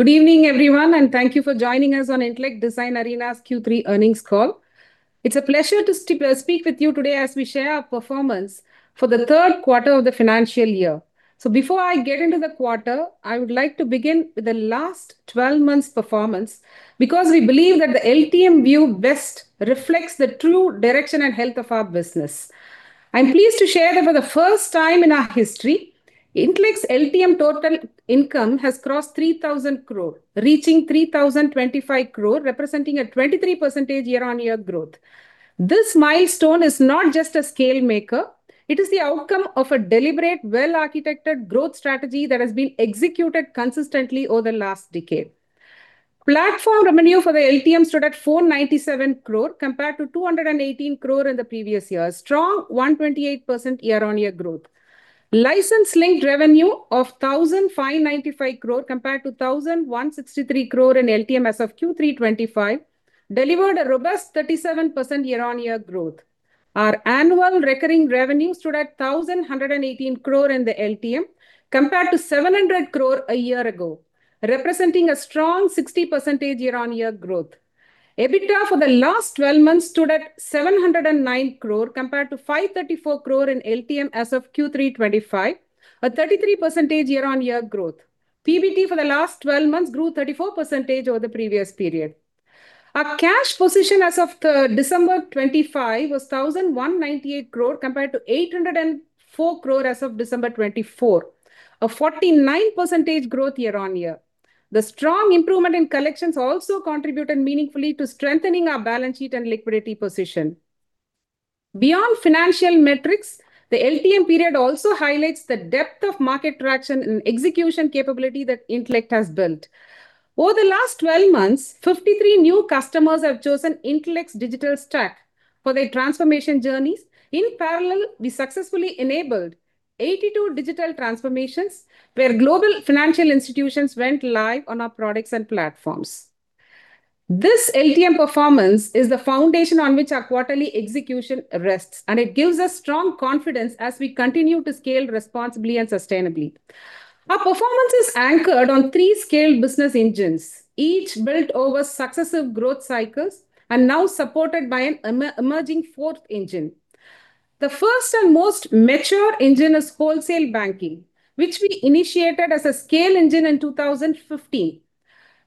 Good evening, everyone, and thank you for joining us on Intellect Design Arena's Q3 Earnings Call. It's a pleasure to speak with you today as we share our performance for the Q3 of the financial year. Before I get into the quarter, I would like to begin with the last 12 months' performance, because we believe that the LTM view best reflects the true direction and health of our business. I'm pleased to share that for the first time in our history, Intellect's LTM total income has crossed 3,000 crore, reaching 3,025 crore, representing a 23% year-on-year growth. This milestone is not just a scale maker, it is the outcome of a deliberate, well-architected growth strategy that has been executed consistently over the last decade. Platform revenue for the LTM stood at 497 crore, compared to 218 crore in the previous year, a strong 128% year-on-year growth. License-linked revenue of 1,595 crore, compared to 1,163 crore in LTM as of Q3 2025, delivered a robust 37% year-on-year growth. Our annual recurring revenue stood at 1,118 crore in the LTM, compared to 700 crore a year ago, representing a strong 60% year-on-year growth. EBITDA for the last twelve months stood at 709 crore, compared to 534 crore in LTM as of Q3 2025, a 33% year-on-year growth. PBT for the last twelve months grew 34% over the previous period. Our cash position as of December 2025 was 1,198 crore, compared to 804 crore as of December 2024, a 49% growth year-on-year. The strong improvement in collections also contributed meaningfully to strengthening our balance sheet and liquidity position. Beyond financial metrics, the LTM period also highlights the depth of market traction and execution capability that Intellect has built. Over the last 12 months, 53 new customers have chosen Intellect's digital stack for their transformation journeys. In parallel, we successfully enabled 82 digital transformations, where global financial institutions went live on our products and platforms. This LTM performance is the foundation on which our quarterly execution rests, and it gives us strong confidence as we continue to scale responsibly and sustainably. Our performance is anchored on three scaled business engines, each built over successive growth cycles and now supported by an emerging fourth engine. The first and most mature engine is wholesale banking, which we initiated as a scale engine in 2015.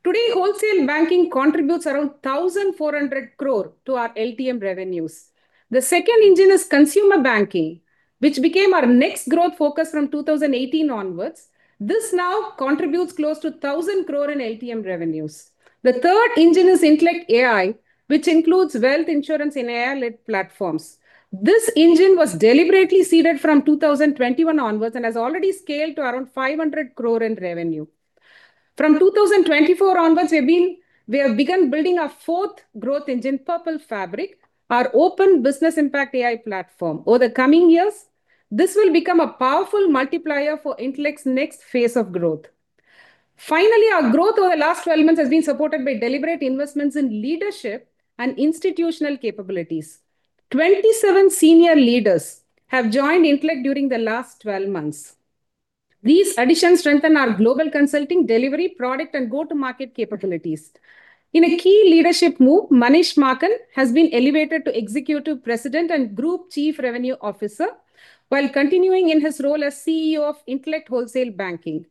Today, wholesale banking contributes around 1,400 crore to our LTM revenues. The second engine is consumer banking, which became our next growth focus from 2018 onwards. This now contributes close to 1,000 crore in LTM revenues. The third engine is Intellect AI, which includes wealth, insurance, and AI-led platforms. This engine was deliberately seeded from 2021 onwards and has already scaled to around 500 crore in revenue. From 2024 onwards, we have begun building our fourth growth engine, Purple Fabric, our open business impact AI platform. Over the coming years, this will become a powerful multiplier for Intellect's next phase of growth. Finally, our growth over the last 12 months has been supported by deliberate investments in leadership and institutional capabilities. 27 senior leaders have joined Intellect during the last 12 months. These additions strengthen our global consulting, delivery, product, and go-to-market capabilities. In a key leadership move, Manish Maakan has been elevated to Executive President and Group Chief Revenue Officer, while continuing in his role as CEO of Intellect Wholesale Banking.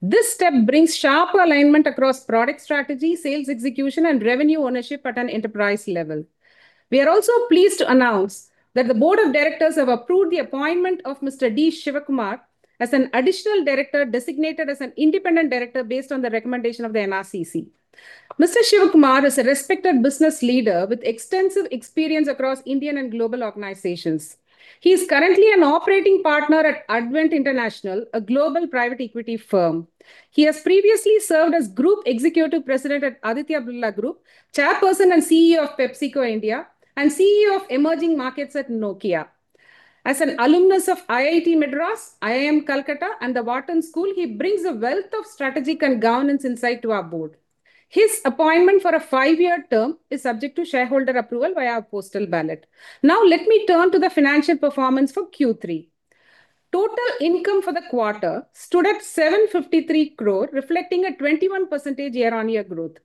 This step brings sharp alignment across product strategy, sales execution, and revenue ownership at an enterprise level. We are also pleased to announce that the Board of Directors have approved the appointment of Mr. D. Shivakumar as an additional director, designated as an independent director based on the recommendation of the NRCC. Mr. Shivakumar is a respected business leader with extensive experience across Indian and global organizations. He is currently an operating partner at Advent International, a global private equity firm. He has previously served as Group Executive President at Aditya Birla Group, Chairperson and CEO of PepsiCo India, and CEO of Emerging Markets at Nokia. As an alumnus of IIT Madras, IIM Calcutta, and the Wharton School, he brings a wealth of strategic and governance insight to our board. His appointment for a five-year term is subject to shareholder approval via a postal ballot. Now let me turn to the financial performance for Q3. Total income for the quarter stood at 753 crore, reflecting a 21% year-on-year growth.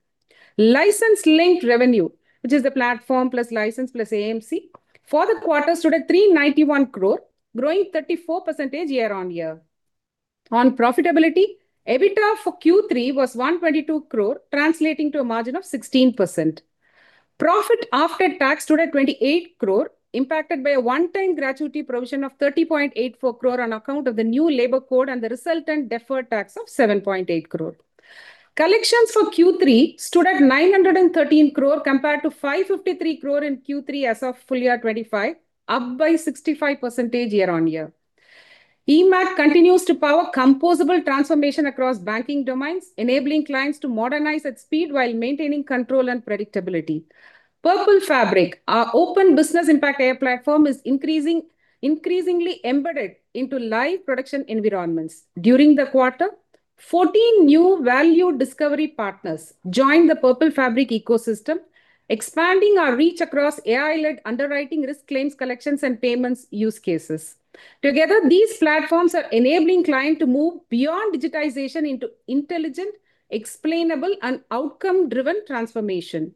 License-linked revenue, which is the platform plus license plus AMC, for the quarter stood at 391 crore, growing 34% year-on-year. On profitability, EBITDA for Q3 was 122 crore, translating to a margin of 16%. Profit after tax stood at 28 crore, impacted by a one-time gratuity provision of 30.84 crore on account of the new labor code and the resultant deferred tax of 7.8 crore. Collections for Q3 stood at 913 crore, compared to 553 crore in Q3 as of full year 2025, up by 65% year-on-year. eMACH.ai continues to power composable transformation across banking domains, enabling clients to modernize at speed while maintaining control and predictability. Purple Fabric, our open business impact AI platform, is increasingly embedded into live production environments. During the quarter, 14 new value discovery partners joined the Purple Fabric ecosystem, expanding our reach across AI-led underwriting, risk claims, collections, and payments use cases. Together, these platforms are enabling clients to move beyond digitization into intelligent, explainable, and outcome-driven transformation.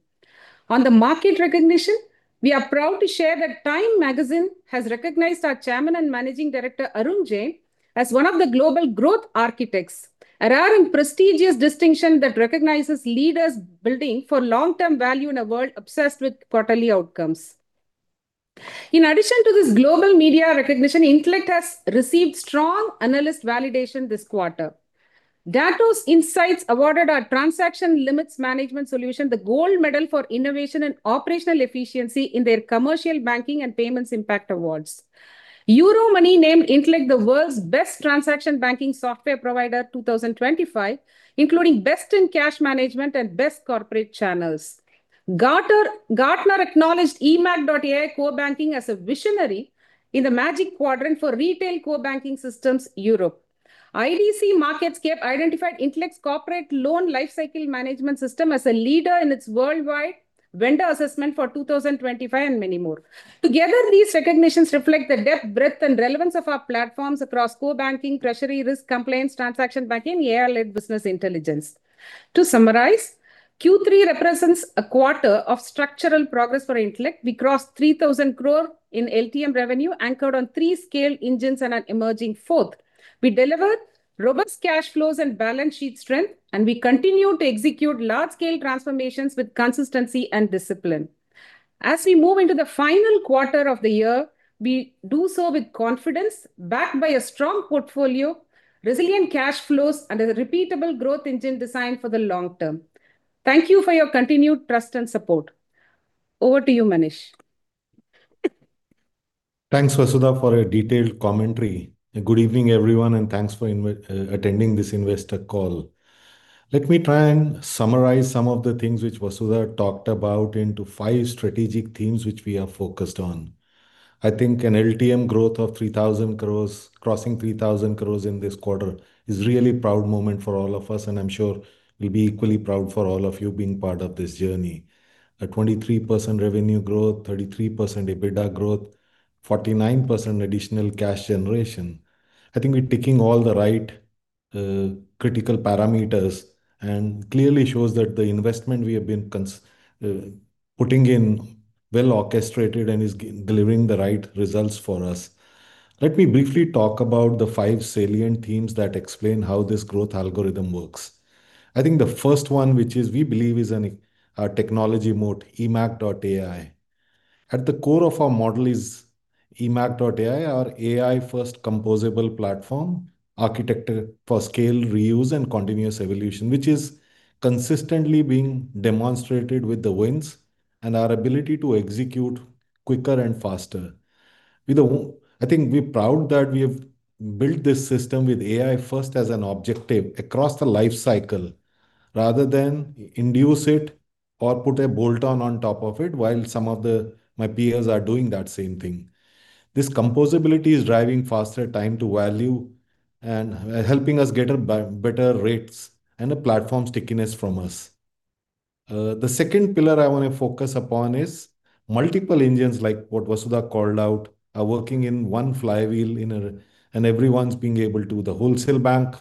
On the market recognition-... We are proud to share that Time magazine has recognized our chairman and managing director, Arun Jain, as one of the Global Growth Architects, a rare and prestigious distinction that recognizes leaders building for long-term value in a world obsessed with quarterly outcomes. In addition to this global media recognition, Intellect has received strong analyst validation this quarter. Datos Insights awarded our Transaction Limits Management Solution the Gold Medal for Innovation and Operational Efficiency in their Commercial Banking and Payments Impact Awards. Euromoney named Intellect the World's Best Transaction Banking Software Provider 2025, including Best in Cash Management and Best Corporate Channels. Gartner acknowledged eMACH.ai Core Banking as a visionary in the Magic Quadrant for Retail Core Banking Systems, Europe. IDC MarketScape identified Intellect's Corporate Loan Lifecycle Management System as a leader in its worldwide vendor assessment for 2025, and many more. Together, these recognitions reflect the depth, breadth, and relevance of our platforms across core banking, treasury, risk, compliance, transaction banking, AI-led business intelligence. To summarize, Q3 represents a quarter of structural progress for Intellect. We crossed 3,000 crore in LTM revenue, anchored on three scale engines and an emerging fourth. We delivered robust cash flows and balance sheet strength, and we continue to execute large-scale transformations with consistency and discipline. As we move into the final quarter of the year, we do so with confidence, backed by a strong portfolio, resilient cash flows, and a repeatable growth engine designed for the long term. Thank you for your continued trust and support. Over to you, Manish. Thanks, Vasudha, for a detailed commentary. Good evening, everyone, and thanks for attending this investor call. Let me try and summarize some of the things which Vasudha talked about into five strategic themes which we are focused on. I think an LTM growth of 3,000 crore, crossing 3,000 crore in this quarter, is a really proud moment for all of us, and I'm sure we'll be equally proud for all of you being part of this journey. A 23% revenue growth, 33% EBITDA growth, 49% additional cash generation, I think we're ticking all the right, critical parameters, and clearly shows that the investment we have been putting in well orchestrated and is delivering the right results for us. Let me briefly talk about the five salient themes that explain how this growth algorithm works. I think the first one, which we believe is an technology moat, eMACH.ai. At the core of our model is eMACH.ai, our AI-first composable platform, architected for scale, reuse, and continuous evolution, which is consistently being demonstrated with the wins and our ability to execute quicker and faster. I think we're proud that we have built this system with AI first as an objective across the life cycle, rather than induce it or put a bolt-on on top of it, while some of the... my peers are doing that same thing. This composability is driving faster time to value and helping us get a better rates and a platform stickiness from us. The second pillar I want to focus upon is multiple engines, like what Vasudha called out, are working in one flywheel and everyone's being able to. The wholesale banking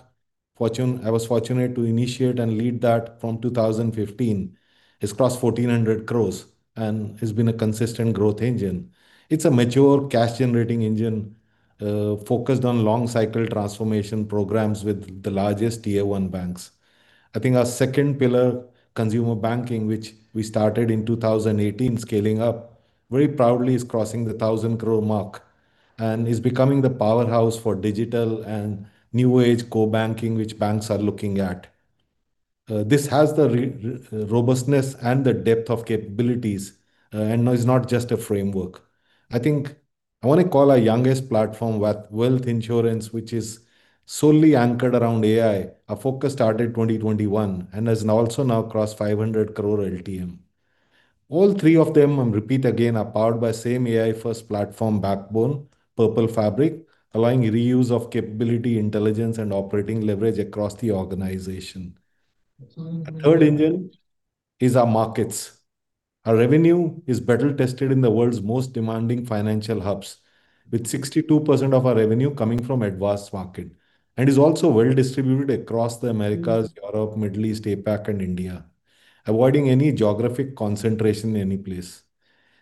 fortune—I was fortunate to initiate and lead that from 2015. It's crossed 1,400 crore and has been a consistent growth engine. It's a mature cash-generating engine, focused on long-cycle transformation programs with the largest Tier One banks. I think our second pillar, consumer banking, which we started in 2018, scaling up, very proudly is crossing the 1,000-crore mark, and is becoming the powerhouse for digital and new-age core banking, which banks are looking at. This has the robustness and the depth of capabilities, and is not just a framework. I think I want to call our youngest platform, Wealth Insurance, which is solely anchored around AI. Our focus started 2021, and has now crossed 500 crore LTM. All three of them, I'll repeat again, are powered by same AI-first platform backbone, Purple Fabric, allowing reuse of capability, intelligence, and operating leverage across the organization. Mm-hmm. A third engine is our markets. Our revenue is battle-tested in the world's most demanding financial hubs, with 62% of our revenue coming from advanced markets, and is also well-distributed across the Americas, Europe, Middle East, APAC, and India, avoiding any geographic concentration in any place.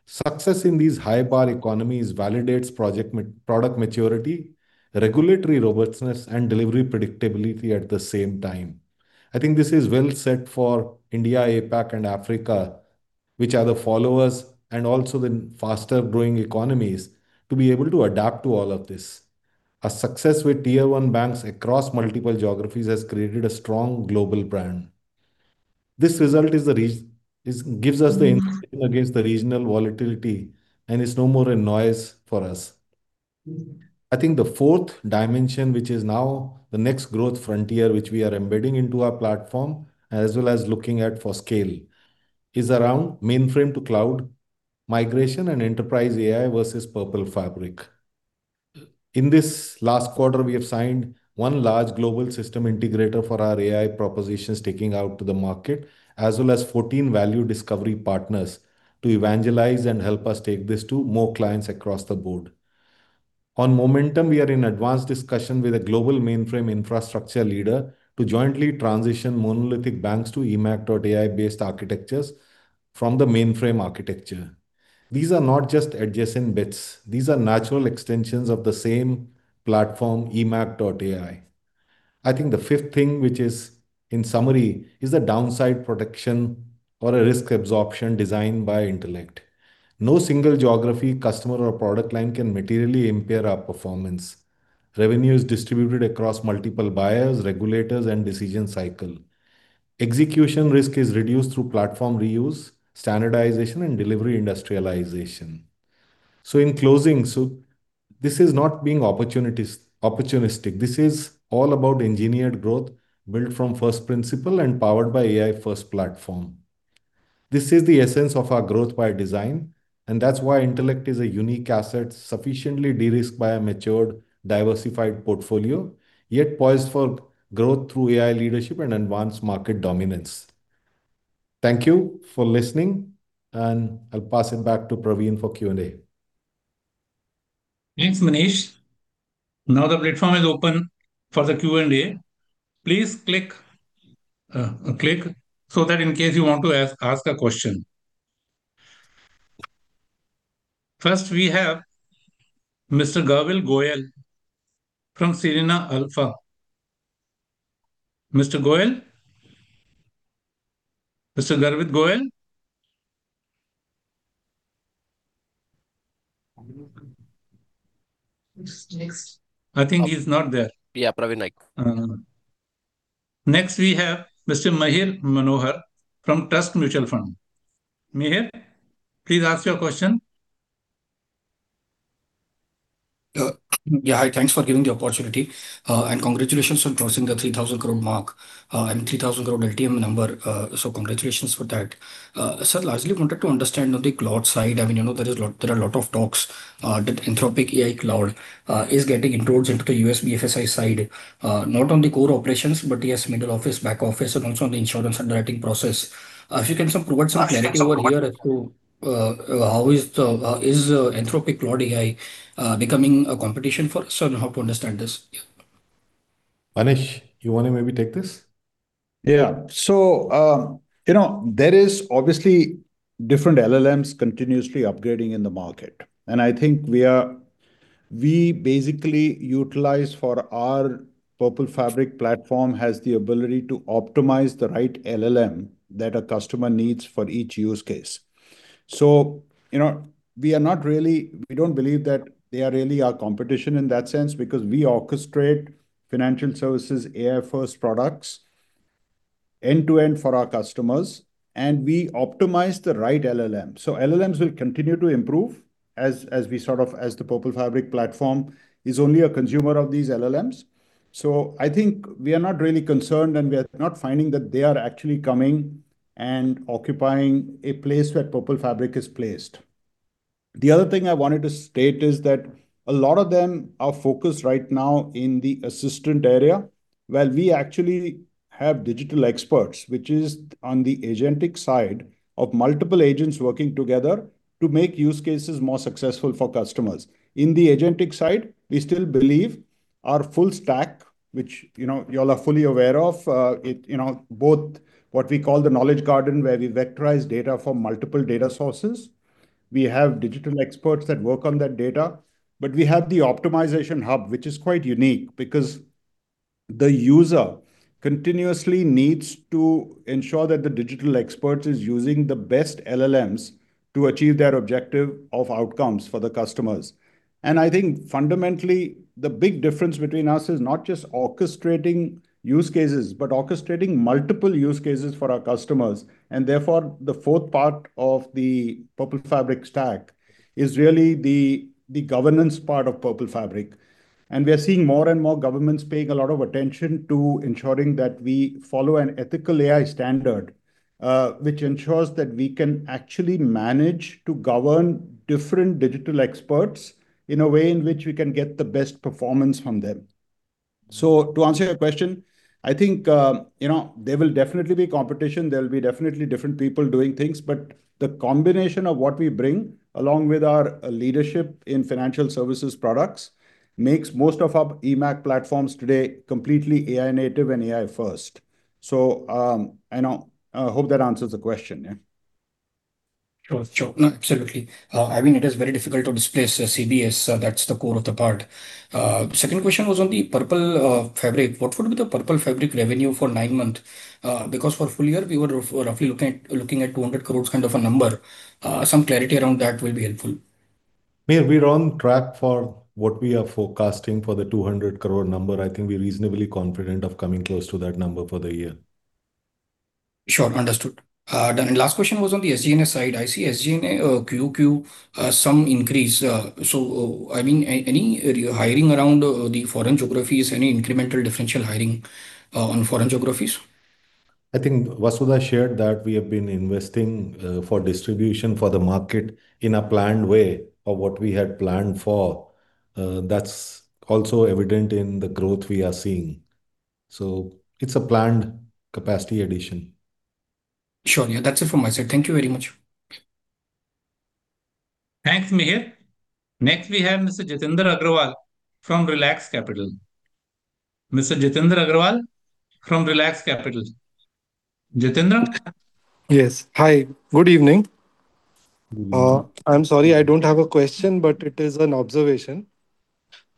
Success in these high-bar economies validates product maturity, regulatory robustness, and delivery predictability at the same time. I think this is well set for India, APAC, and Africa, which are the followers and also the faster-growing economies, to be able to adapt to all of this. Our success with Tier One banks across multiple geographies has created a strong global brand. This result is, gives us the- Mm-hmm... insulation against the regional volatility, and it's no more a noise for us. Mm-hmm. I think the fourth dimension, which is now the next growth frontier, which we are embedding into our platform, as well as looking at for scale, is around mainframe-to-cloud migration and enterprise AI versus Purple Fabric. In this last quarter, we have signed one large global system integrator for our AI propositions, taking out to the market, as well as 14 value discovery partners to evangelize and help us take this to more clients across the board. On momentum, we are in advanced discussion with a global mainframe infrastructure leader to jointly transition monolithic banks to eMACH.ai-based architectures from the mainframe architecture. These are not just adjacent bits, these are natural extensions of the same platform, eMACH.ai. I think the fifth thing, which is in summary, is the downside protection or a risk absorption designed by Intellect. No single geography, customer, or product line can materially impair our performance. Revenue is distributed across multiple buyers, regulators, and decision cycle. Execution risk is reduced through platform reuse, standardization, and delivery industrialization. So in closing, so this is not being opportunities - opportunistic, this is all about engineered growth built from first principle and powered by AI-first platform. This is the essence of our growth by design, and that's why Intellect is a unique asset, sufficiently de-risked by a matured, diversified portfolio, yet poised for growth through AI leadership and advanced market dominance. Thank you for listening, and I'll pass it back to Praveen for Q&A. Thanks, Manish. Now the platform is open for the Q&A. Please click, click, so that in case you want to ask a question. First, we have Mr. Garvit Goyal from Cyrena Capital. Mr. Goel? Mr. Garvit Goyal? Next. I think he's not there. Yeah, Praveen Malik. Next we have Mr. Mihir Manohar from Trust Mutual Fund. Mihir, please ask your question. Yeah, hi, thanks for giving the opportunity. And congratulations on crossing the 3,000 crore mark, and 3,000 crore LTM number. So congratulations for that. Sir, largely wanted to understand on the cloud side, I mean, you know, there are a lot of talks that Anthropic AI cloud is getting introduced into the US BFSI side. Not on the core operations, but yes, middle office, back office, and also on the insurance underwriting process. If you can provide some clarity over here as to how is the is Anthropic Cloud AI becoming a competition for us, and how to understand this? Yeah. Manish, you want to maybe take this? Yeah. So, you know, there is obviously different LLMs continuously upgrading in the market. And I think we are, we basically utilize for our Purple Fabric platform has the ability to optimize the right LLM that a customer needs for each use case. So, you know, we are not really, we don't believe that they are really our competition in that sense, because we orchestrate financial services AI-first products end-to-end for our customers, and we optimize the right LLM. So LLMs will continue to improve as, as we sort of, as the Purple Fabric platform is only a consumer of these LLMs. So I think we are not really concerned, and we are not finding that they are actually coming and occupying a place where Purple Fabric is placed. The other thing I wanted to state is that a lot of them are focused right now in the assistant area, while we actually have digital experts, which is on the agentic side of multiple agents working together to make use cases more successful for customers. In the agentic side, we still believe our full stack, which, you know, you all are fully aware of, you know, both what we call the knowledge garden, where we vectorize data from multiple data sources. We have digital experts that work on that data. But we have the optimization hub, which is quite unique because the user continuously needs to ensure that the digital experts is using the best LLMs to achieve their objective of outcomes for the customers. I think fundamentally, the big difference between us is not just orchestrating use cases, but orchestrating multiple use cases for our customers. Therefore, the fourth part of the Purple Fabric stack is really the governance part of Purple Fabric. We are seeing more and more governments paying a lot of attention to ensuring that we follow an ethical AI standard, which ensures that we can actually manage to govern different digital experts in a way in which we can get the best performance from them. To answer your question, I think, you know, there will definitely be competition, there will be definitely different people doing things, but the combination of what we bring, along with our leadership in financial services products, makes most of our eMACH platforms today completely AI-native and AI-first. So, I know, I hope that answers the question, yeah. Sure, sure. No, absolutely. I mean, it is very difficult to displace CBS. That's the core of the part. Second question was on the Purple, Fabric. What would be the Purple Fabric revenue for nine month? Because for full year, we were roughly looking at 200 crores kind of a number. Some clarity around that will be helpful. Mihir, we're on track for what we are forecasting for the 200 crore number. I think we're reasonably confident of coming close to that number for the year. Sure, understood. And last question was on the SG&A side. I see SG&A, QQ, some increase. So, I mean, any hiring around the foreign geographies, any incremental differential hiring on foreign geographies? I think Vasudha shared that we have been investing for distribution for the market in a planned way of what we had planned for. That's also evident in the growth we are seeing. So it's a planned capacity addition. ... Sure, yeah, that's it from my side. Thank you very much. Thanks, Mihir. Next, we have Mr. Jitendra Agrawal from Wellax Capital. Mr. Jitendra Agrawal from Velox Capital. Jitendra? Yes. Hi, good evening. Mm-hmm. I'm sorry I don't have a question, but it is an observation.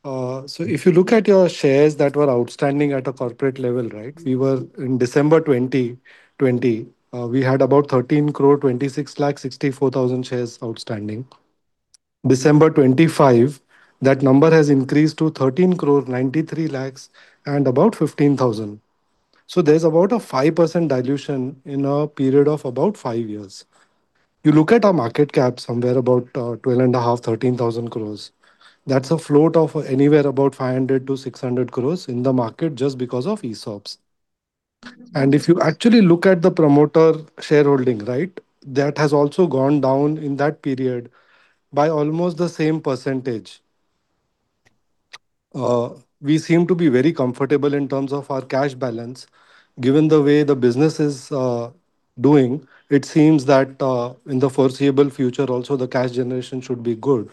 So if you look at your shares that were outstanding at a corporate level, right? In December 2020, we had about 132,664,000 shares outstanding. December 2025, that number has increased to 139,315,000. So there's about a 5% dilution in a period of about 5 years. If you look at our market cap, somewhere about 12,500-13,000 crore. That's a float of anywhere about 500-600 crore in the market just because of ESOPs. And if you actually look at the promoter shareholding, right, that has also gone down in that period by almost the same percentage. We seem to be very comfortable in terms of our cash balance. Given the way the business is doing, it seems that, in the foreseeable future, also, the cash generation should be good.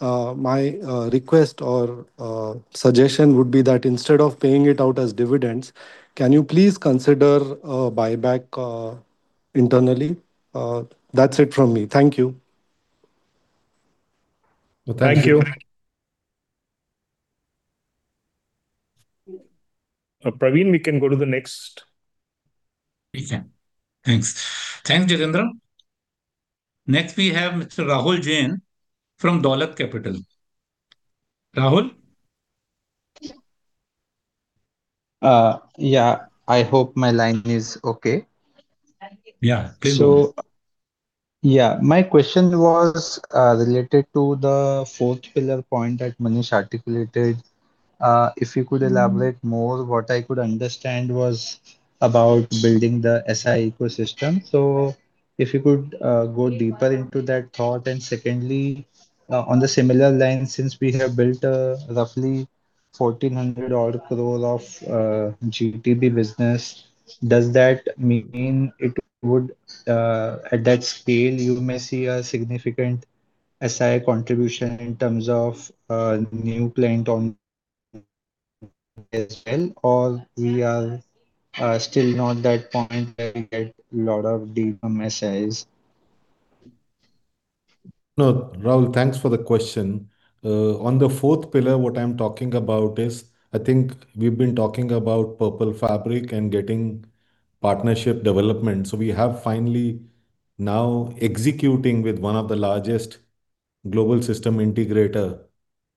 My request or suggestion would be that instead of paying it out as dividends, can you please consider a buyback internally? That's it from me. Thank you. Thank you. Praveen, we can go to the next. We can. Thanks. Thanks, Jitendra. Next, we have Mr. Rahul Jain from Dolat Capital. Rahul? Yeah. I hope my line is okay. Yeah, clear. So, yeah. My question was related to the fourth pillar point that Manish articulated. If you could elaborate more, what I could understand was about building the SI ecosystem. So if you could go deeper into that thought. And secondly, on the similar line, since we have built a roughly 1,400 crore of GTB business, does that mean it would at that scale, you may see a significant SI contribution in terms of new client on as well? Or we are still not that point where we get a lot of deeper messages. No, Rahul, thanks for the question. On the fourth pillar, what I'm talking about is, I think we've been talking about Purple Fabric and getting partnership development. So we have finally now executing with one of the largest global system integrator,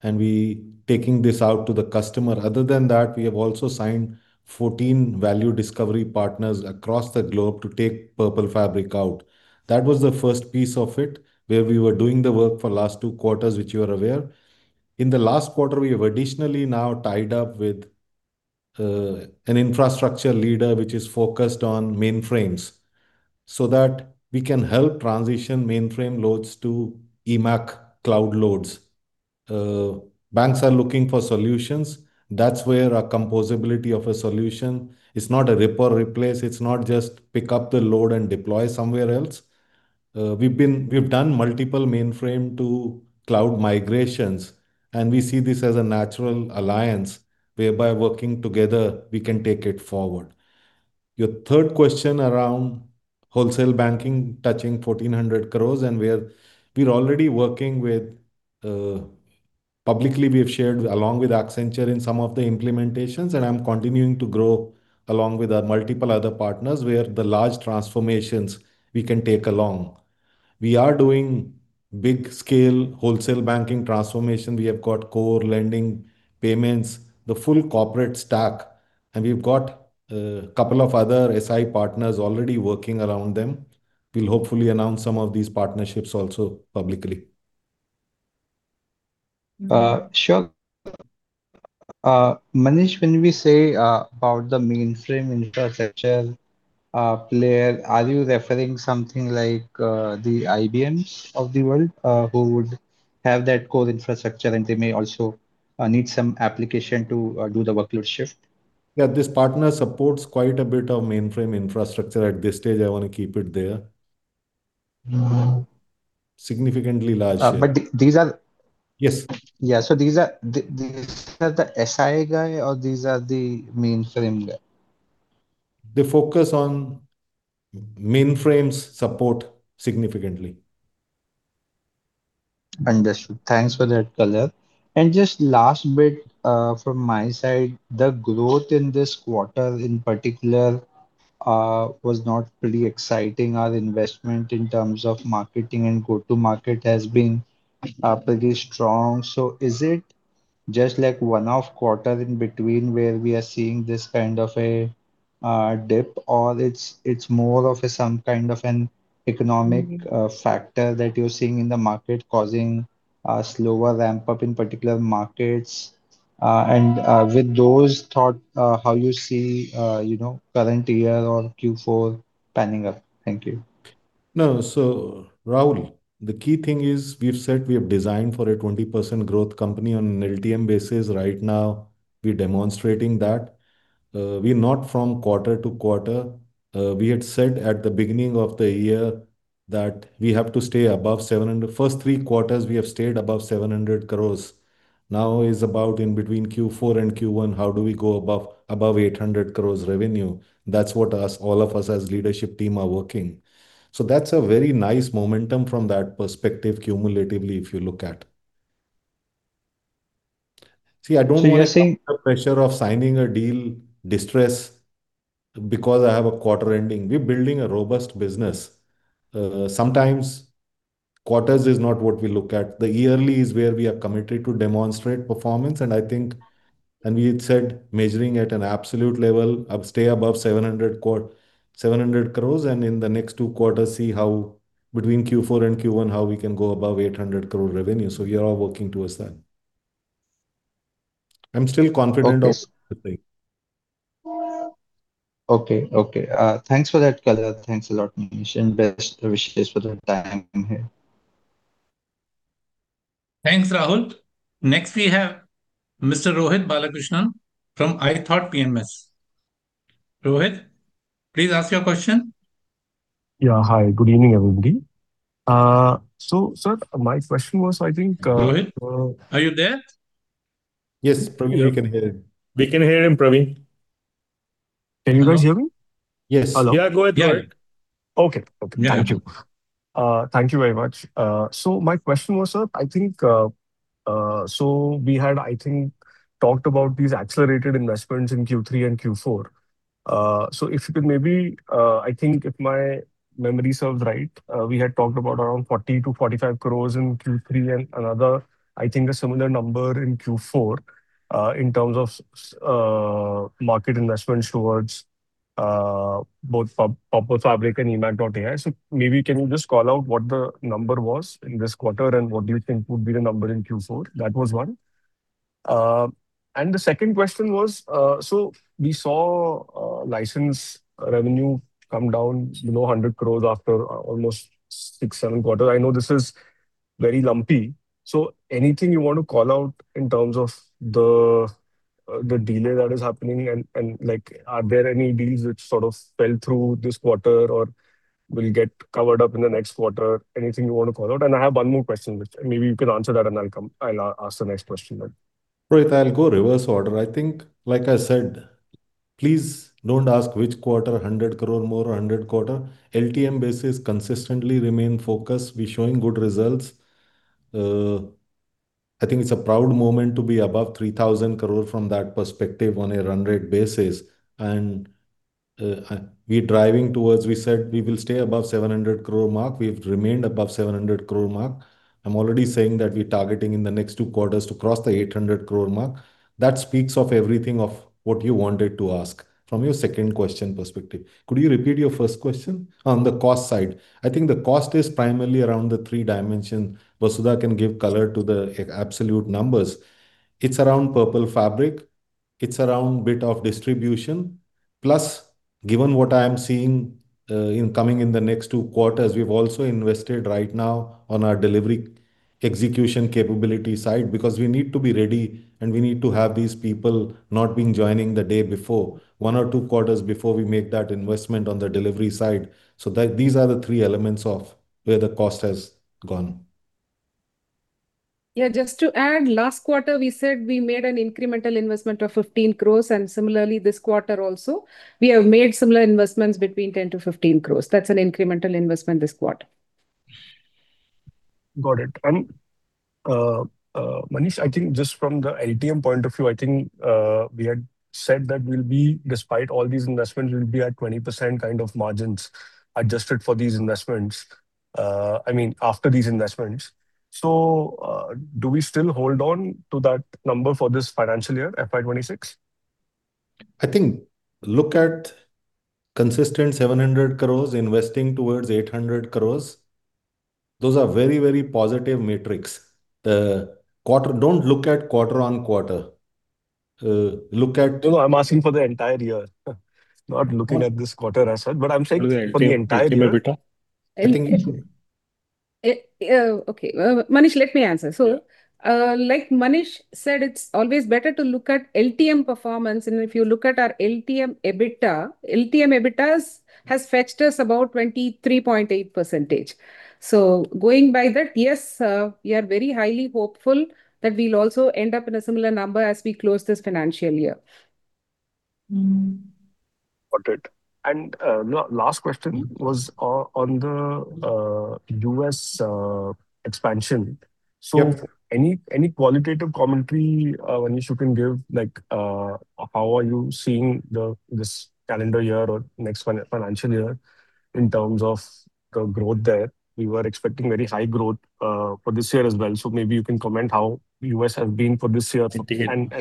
and we taking this out to the customer. Other than that, we have also signed 14 value discovery partners across the globe to take Purple Fabric out. That was the first piece of it, where we were doing the work for last 2 quarters, which you are aware. In the last quarter, we have additionally now tied up with an infrastructure leader, which is focused on mainframes, so that we can help transition mainframe loads to eMACH.ai cloud loads. Banks are looking for solutions. That's where a composability of a solution, it's not a rip or replace, it's not just pick up the load and deploy somewhere else. We've been. We've done multiple mainframe-to-cloud migrations, and we see this as a natural alliance, whereby working together, we can take it forward. Your third question around wholesale banking touching 1,400 crore, and we are, we're already working with. Publicly, we have shared, along with Accenture in some of the implementations, and I'm continuing to grow along with multiple other partners, where the large transformations we can take along. We are doing big-scale wholesale banking transformation. We have got core lending, payments, the full corporate stack, and we've got a couple of other SI partners already working around them. We'll hopefully announce some of these partnerships also publicly. Sure. Manish, when we say about the mainframe infrastructure player, are you referring something like the IBMs of the world, who would have that core infrastructure, and they may also need some application to do the workload shift? Yeah, this partner supports quite a bit of Mainframe infrastructure. At this stage, I want to keep it there. Mm-hmm. Significantly large, yeah. but these are- Yes. Yeah, so these are the SI guy or these are the mainframe guy? They focus on mainframe support significantly. Understood. Thanks for that color. And just last bit, from my side, the growth in this quarter in particular, was not pretty exciting. Our investment in terms of marketing and go-to-market has been, pretty strong. So is it just like one-off quarter in between, where we are seeing this kind of a, dip, or it's more of some kind of an economic, factor that you're seeing in the market, causing a slower ramp-up in particular markets? And, with those thought, how you see, you know, current year or Q4 panning out? Thank you.... No, so, Rahul, the key thing is we've said we have designed for a 20% growth company on an LTM basis. Right now, we're demonstrating that. We're not from quarter to quarter. We had said at the beginning of the year that we have to stay above 700 crores-- first three quarters, we have stayed above 700 crores. Now is about in between Q4 and Q1, how do we go above, above 800 crores revenue? That's what us, all of us as leadership team are working. So that's a very nice momentum from that perspective, cumulatively, if you look at. See, I don't want- So you're saying- -the pressure of signing a deal, distress, because I have a quarter ending. We're building a robust business. Sometimes quarters is not what we look at. The yearly is where we are committed to demonstrate performance, and I think... And we had said, measuring at an absolute level, up, stay above 700 crore, and in the next two quarters, see how between Q4 and Q1, how we can go above 800 crore revenue. So we are all working towards that. I'm still confident of- Okay. - Okay, okay. Thanks for that color. Thanks a lot, Manish, and best wishes for the time in here. Thanks, Rahul. Next, we have Mr. Rohit Balakrishnan from iThought PMS. Rohit, please ask your question. Yeah. Hi, good evening, everybody. So sir, my question was, I think, Rohit, are you there? Yes, Praveen, we can hear him. We can hear him, Praveen. Can you guys hear me? Yes. Yeah, go ahead, Rohit. Okay. Okay. Yeah. Thank you. Thank you very much. So my question was, sir, I think, so we had, I think, talked about these accelerated investments in Q3 and Q4. So if you could maybe... I think if my memory serves right, we had talked about around 40-45 crore in Q3 and another, I think, a similar number in Q4, in terms of spend- market investments towards both Purple Fabric and eMACH.ai. So maybe can you just call out what the number was in this quarter, and what do you think would be the number in Q4? That was one. And the second question was, so we saw license revenue come down, you know, 100 crore after almost six-seven quarters. I know this is very lumpy, so anything you want to call out in terms of the delay that is happening? And, like, are there any deals which sort of fell through this quarter or will get covered up in the next quarter? Anything you want to call out? And I have one more question, which maybe you can answer that, and I'll come, I'll ask the next question then. Rohit, I'll go reverse order. I think, like I said, please don't ask which quarter, 100 crore more or 100 quarter. LTM basis consistently remain focused. We're showing good results. I think it's a proud moment to be above 3,000 crore from that perspective on a run rate basis, and, we're driving towards... We said we will stay above 700 crore mark. We've remained above 700 crore mark. I'm already saying that we're targeting in the next two quarters to cross the 800 crore mark. That speaks of everything of what you wanted to ask from your second question perspective. Could you repeat your first question? On the cost side, I think the cost is primarily around the three dimension. Vasudha can give color to the absolute numbers. It's around Purple Fabric, it's around a bit of distribution, plus, given what I am seeing in the coming next two quarters, we've also invested right now on our delivery execution capability side, because we need to be ready, and we need to have these people not joining the day before, one or two quarters before we make that investment on the delivery side. So these are the three elements of where the cost has gone. Yeah, just to add, last quarter, we said we made an incremental investment of 15 crore, and similarly, this quarter also, we have made similar investments between 10 crore-15 crore. That's an incremental investment this quarter. Got it. And, Manish, I think just from the LTM point of view, I think, we had said that we'll be, despite all these investments, we'll be at 20% kind of margins, adjusted for these investments, I mean, after these investments. So, do we still hold on to that number for this financial year, FY 2026? I think look at consistent 700 crore, investing towards 800 crore. Those are very, very positive metrics. Don't look at quarter on quarter. Look at- No, I'm asking for the entire year, not looking at this quarter as such, but I'm saying for the entire year. Okay. Manish, let me answer. Yeah. So, like Manish said, it's always better to look at LTM performance. If you look at our LTM EBITDA, LTM EBITDAs has fetched us about 23.8%. Going by that, yes, we are very highly hopeful that we'll also end up in a similar number as we close this financial year. Mm. Got it. And last question was on the U.S. expansion. Yep. So any qualitative commentary, Manish, you can give, like, how are you seeing this calendar year or next financial year in terms of the growth there? We were expecting very high growth for this year as well, so maybe you can comment how U.S. has been for this year-...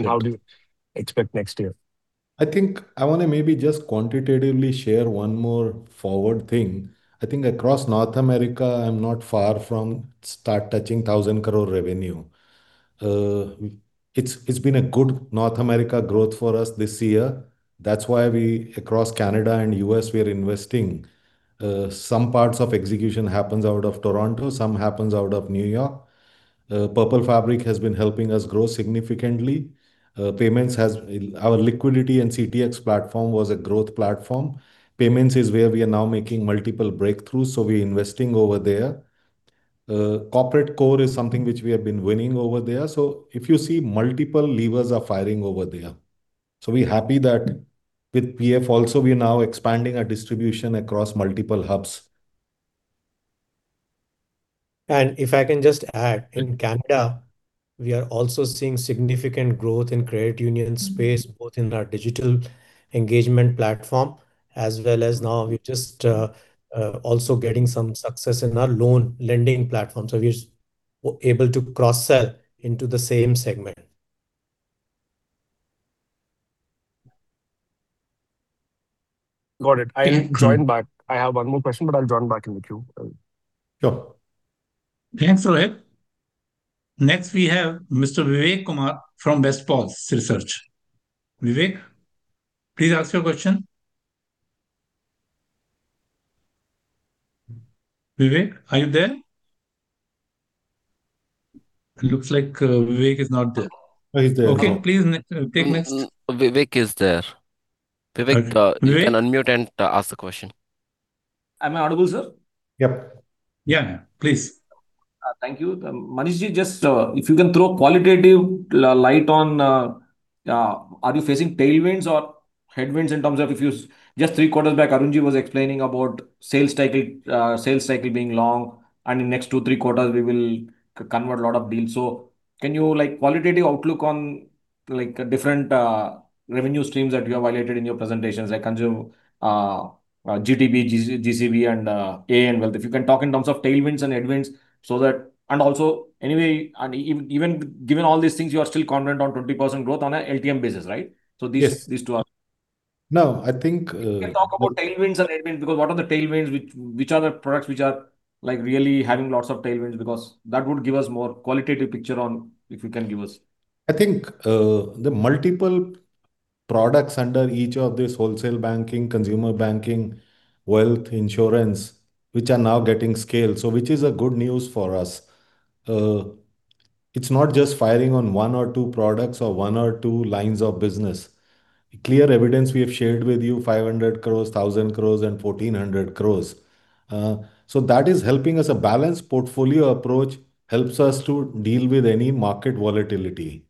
how do you expect next year? I think I wanna maybe just quantitatively share one more forward thing. I think across North America, I'm not far from start touching 1,000 crore revenue. It's been a good North America growth for us this year. That's why we, across Canada and U.S., we are investing. Some parts of execution happens out of Toronto, some happens out of New York. Purple Fabric has been helping us grow significantly. Payments has our liquidity and CTX platform was a growth platform. Payments is where we are now making multiple breakthroughs, so we're investing over there. Corporate core is something which we have been winning over there. So if you see, multiple levers are firing over there. So we're happy that with PF also, we are now expanding our distribution across multiple hubs. If I can just add, in Canada, we are also seeing significant growth in credit union space, both in our Digital Engagement Platform, as well as now we're just also getting some success in our loan lending platform. So we're able to cross-sell into the same segment. Got it. Mm-hmm. I'll join back. I have one more question, but I'll join back in the queue. Sure. Thanks, Rohit. Next, we have Mr. Vivek Kumar from Bestvantage Investments. Vivek, please ask your question. Vivek, are you there? It looks like, Vivek is not there. Oh, he's there now. Okay, please, take next. Vivek is there. Vivek- Vivek? You can unmute and ask the question. Am I audible, sir? Yep. Yeah. Please. Thank you. Manishji, just, if you can throw qualitative light on, are you facing tailwinds or headwinds in terms of if you... Just three quarters back, Arunji was explaining about sales cycle, sales cycle being long, and in next two, three quarters we will convert a lot of deals. So can you, like, qualitative outlook on, like, different, revenue streams that you have highlighted in your presentations, like consumer, GTB, GCB, and A and wealth? If you can talk in terms of tailwinds and headwinds so that-- And also, anyway, and even given all these things, you are still confident on 20% growth on a LTM basis, right? So these- Yes... these two are. No, I think, You can talk about tailwinds and headwinds, because what are the tailwinds which are the products which are, like, really having lots of tailwinds? Because that would give us more qualitative picture on, if you can give us. I think the multiple products under each of this wholesale banking, consumer banking, wealth, insurance, which are now getting scaled, so which is a good news for us. It's not just firing on one or two products or one or two lines of business. Clear evidence we have shared with you, 500 crore, 1,000 crore, and 1,400 crore. So that is helping us. A balanced portfolio approach helps us to deal with any market volatility.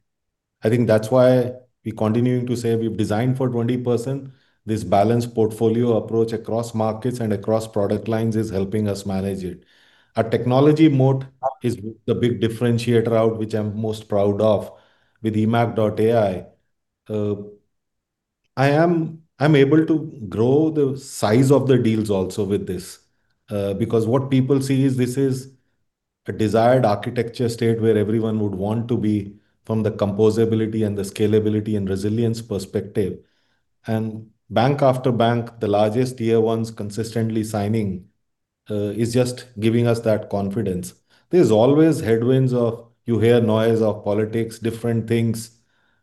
I think that's why we continuing to say we've designed for 20%. This balanced portfolio approach across markets and across product lines is helping us manage it. Our technology moat is the big differentiator out, which I'm most proud of, with eMACH.ai. I'm able to grow the size of the deals also with this, because what people see is this is a desired architecture state where everyone would want to be from the composability and the scalability and resilience perspective. And bank after bank, the largest tier ones consistently signing is just giving us that confidence. There's always headwinds of you hear noise of politics, different things.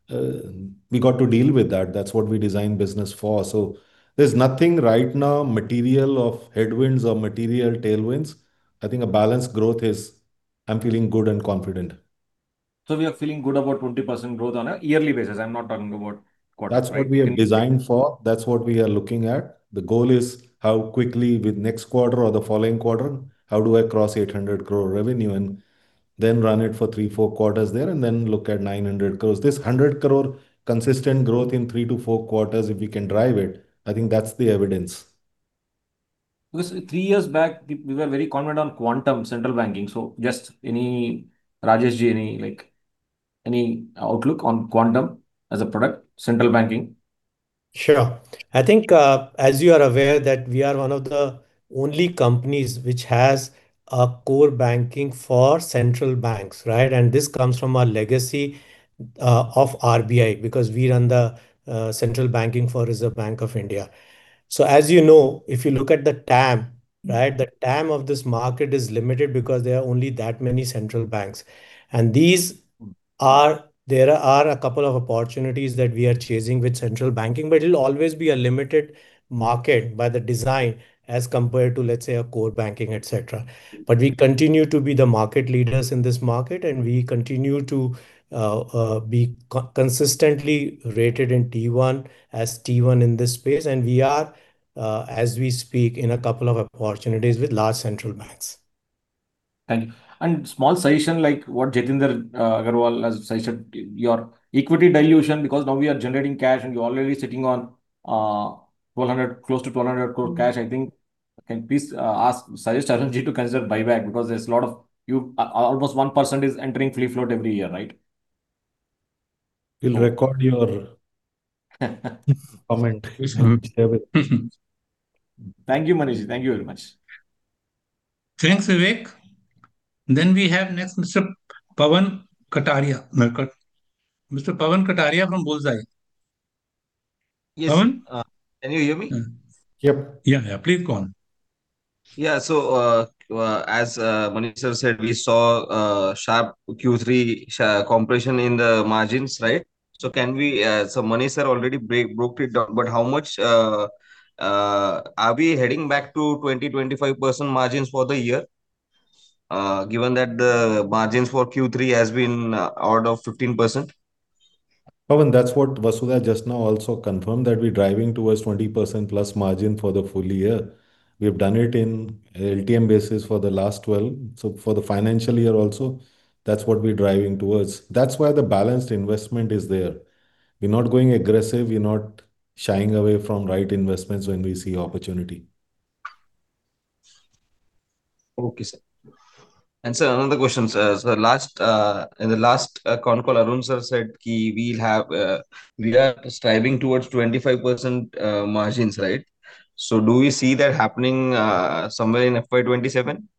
We got to deal with that. That's what we design business for, so there's nothing right now material of headwinds or material tailwinds. I think a balanced growth is... I'm feeling good and confident. So we are feeling good about 20% growth on a yearly basis. I'm not talking about quarter, right? That's what we have designed for. That's what we are looking at. The goal is how quickly, with next quarter or the following quarter, how do I cross 800 crore revenue, and then run it for 3-4 quarters there, and then look at 900 crores. This 100 crore consistent growth in 3-4 quarters, if we can drive it, I think that's the evidence. Because three years back, we, we were very confident on Quantum central banking. So just any... Rajeshji, any, like, any outlook on Quantum as a product, central banking? Sure. I think, as you are aware, that we are one of the only companies which has a core banking for central banks, right? And this comes from our legacy of RBI, because we run the central banking for Reserve Bank of India. So, as you know, if you look at the TAM, right? The TAM of this market is limited because there are only that many central banks. And these are—there are a couple of opportunities that we are chasing with central banking, but it'll always be a limited market by the design as compared to, let's say, a core banking, et cetera. But we continue to be the market leaders in this market, and we continue to be consistently rated in Tier one, as Tier one in this space. We are, as we speak, in a couple of opportunities with large central banks. Thank you. Small suggestion, like what Jitendra Agrawal, as I said, your equity dilution, because now we are generating cash and you're already sitting on, close to 1,200 crore cash, I think. Can please ask, suggest Arunji to consider buyback, because there's a lot of you, almost one person is entering free float every year, right? We'll record your comment. Thank you, Manish. Thank you very much. Thanks, Vivek. Then we have next, Mr. Pawan Kataria. Mr. Pawan Kataria from Bullseye. Yes. Pawan? Can you hear me? Yep. Yeah, yeah. Please go on.... Yeah, so, as Manish sir said, we saw sharp Q3 compression in the margins, right? So can we... So Manish sir already broke it down, but how much are we heading back to 20-25% margins for the year, given that the margins for Q3 has been out of 15%? Pawan, that's what Vasudha just now also confirmed, that we're driving towards 20%+ margin for the full year. We've done it in LTM basis for the last twelve, so for the financial year also, that's what we're driving towards. That's why the balanced investment is there. We're not going aggressive, we're not shying away from right investments when we see opportunity. Okay, sir. And sir, another question, sir. So last, in the last call, Arun sir said, he, we'll have, we are striving towards 25% margins, right? So do we see that happening, somewhere in FY 2027?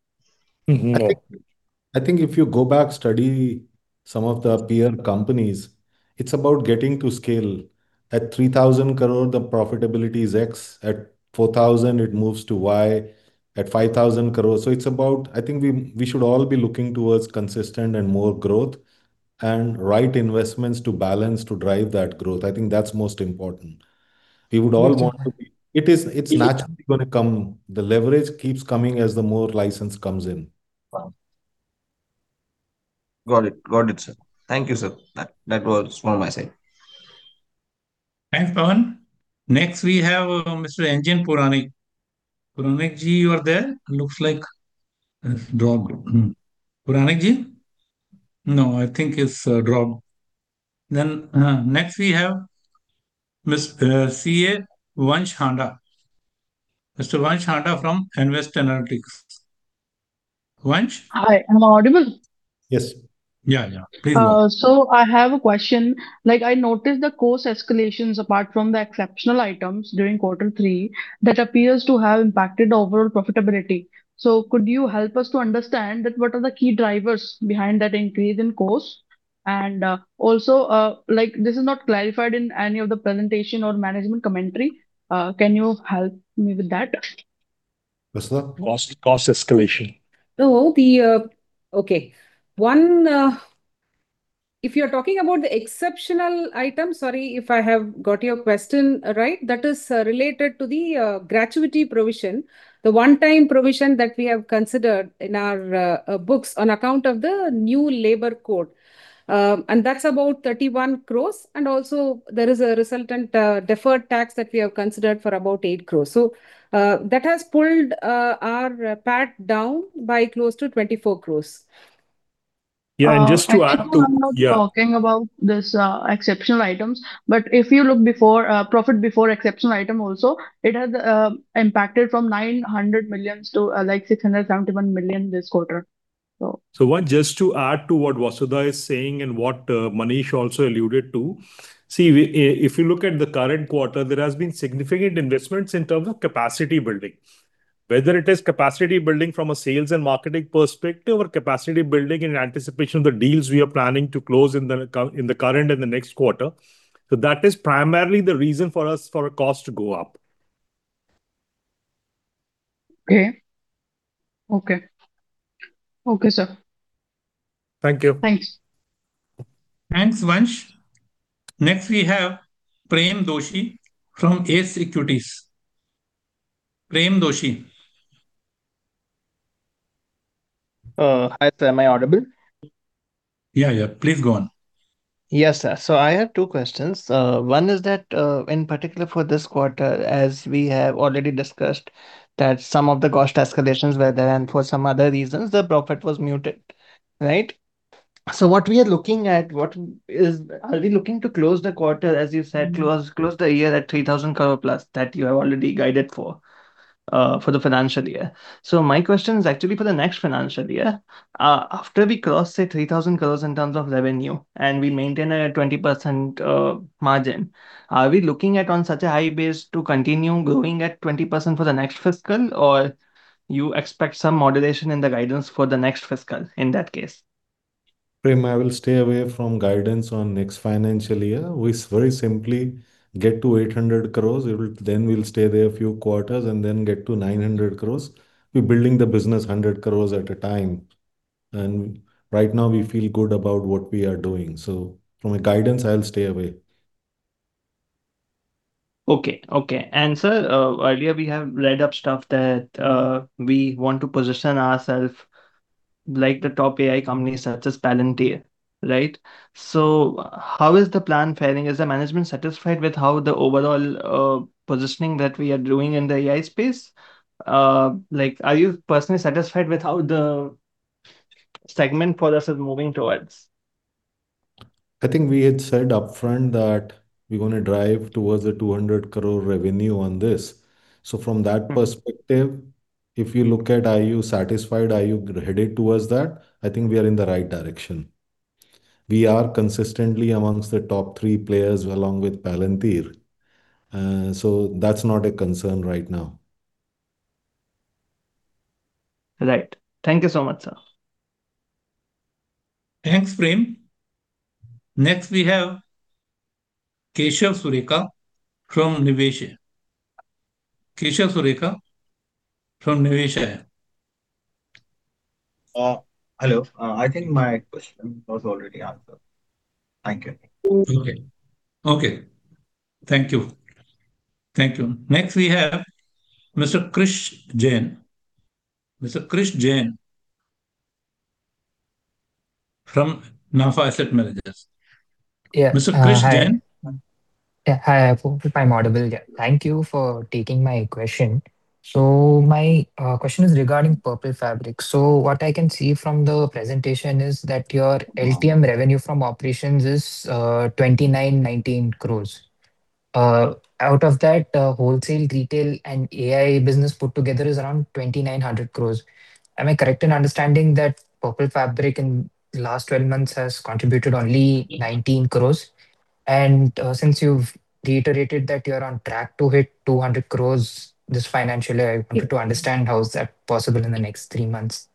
Mm-hmm. I think if you go back, study some of the peer companies, it's about getting to scale. At 3,000 crore, the profitability is X, at 4,000 crore, it moves to Y, at 5,000 crore... So it's about I think we, we should all be looking towards consistent and more growth, and right investments to balance to drive that growth. I think that's most important. Mm-hmm. We would all want to be... It is, it's naturally gonna come. The leverage keeps coming as the more license comes in. Wow! Got it. Got it, sir. Thank you, sir. That, that was from my side. Thanks, Pawan. Next, we have Mr. Anjan Puranik. Puranik, ji, you are there? Looks like he's dropped. Puranik, ji? No, I think he's dropped. Then, next, we have Ms. CA Vansh Handa. Mr. Vansh Handa from Niveshaay. Vansh? Hi. I'm audible? Yes. Yeah, yeah. Please go. So I have a question. Like, I noticed the cost escalations apart from the exceptional items during quarter three, that appears to have impacted the overall profitability. So could you help us to understand that what are the key drivers behind that increase in cost? And, also, like, this is not clarified in any of the presentation or management commentary, can you help me with that? Vasudha? Cost, cost escalation. No, the... Okay. One, if you're talking about the exceptional item, sorry, if I have got your question right, that is, related to the, gratuity provision, the one-time provision that we have considered in our, books on account of the new labor code. And that's about 31 crores, and also there is a resultant, deferred tax that we have considered for about 8 crores. So, that has pulled, our PAT down by close to 24 crores. Yeah, and just to add to- I'm not talking about this, exceptional items, but if you look before, profit before exceptional item also, it has impacted from 900 million to like 671 million this quarter, so... So Vansh, just to add to what Vasudha is saying and what, Manish also alluded to, see, we, if you look at the current quarter, there has been significant investments in terms of capacity building. Whether it is capacity building from a sales and marketing perspective, or capacity building in anticipation of the deals we are planning to close in the current and the next quarter. So that is primarily the reason for us for our cost to go up. Okay. Okay. Okay, sir. Thank you. Thanks. Thanks, Vansh. Next, we have Prem Doshi from Ace Securities. Prem Doshi? Hi, sir. Am I audible? Yeah, yeah. Please, go on. Yes, sir. So I have two questions. One is that, in particular for this quarter, as we have already discussed, that some of the cost escalations were there, and for some other reasons, the profit was muted, right? So what we are looking at, what is... Are we looking to close the quarter, as you said, close, close the year at 3,000 crore+, that you have already guided for, for the financial year? So my question is actually for the next financial year, after we cross, say, 3,000 crores in terms of revenue and we maintain a 20%, margin, are we looking at on such a high base to continue growing at 20% for the next fiscal, or you expect some moderation in the guidance for the next fiscal in that case? Prem, I will stay away from guidance on next financial year. We very simply get to 800 crores, it will... Then we'll stay there a few quarters and then get to 900 crores. We're building the business 100 crores at a time, and right now we feel good about what we are doing. So from a guidance, I'll stay away. Okay, okay. And sir, earlier we have read up stuff that, we want to position ourself like the top AI companies, such as Palantir, right? So how is the plan faring? Is the management satisfied with how the overall, positioning that we are doing in the AI space? Like, are you personally satisfied with how the segment for us is moving towards? I think we had said upfront that we're gonna drive towards 200 crore revenue on this. So from that perspective, if you look at, are you satisfied, are you headed towards that? I think we are in the right direction. We are consistently among the top three players, along with Palantir, so that's not a concern right now. Right. Thank you so much, sir.... Thanks, Prem. Next, we have Keshav Sureka from Nivesh. Keshav Sureka from Nivesh? Hello. I think my question was already answered. Thank you. Okay. Okay, thank you. Thank you. Next, we have Mr. Krish Jain. Mr. Krish Jain from Nafa Asset Managers. Yeah. Mr. Krish Jain? Yeah. Hi, I hope I'm audible. Yeah. Thank you for taking my question. So my question is regarding Purple Fabric. So what I can see from the presentation is that your LTM revenue from operations is 2,919 crores. Out of that, wholesale, retail, and AI business put together is around 2,900 crores. Am I correct in understanding that Purple Fabric in the last twelve months has contributed only 19 crores? And since you've reiterated that you're on track to hit 200 crores this financial year, I wanted to understand how is that possible in the next three months.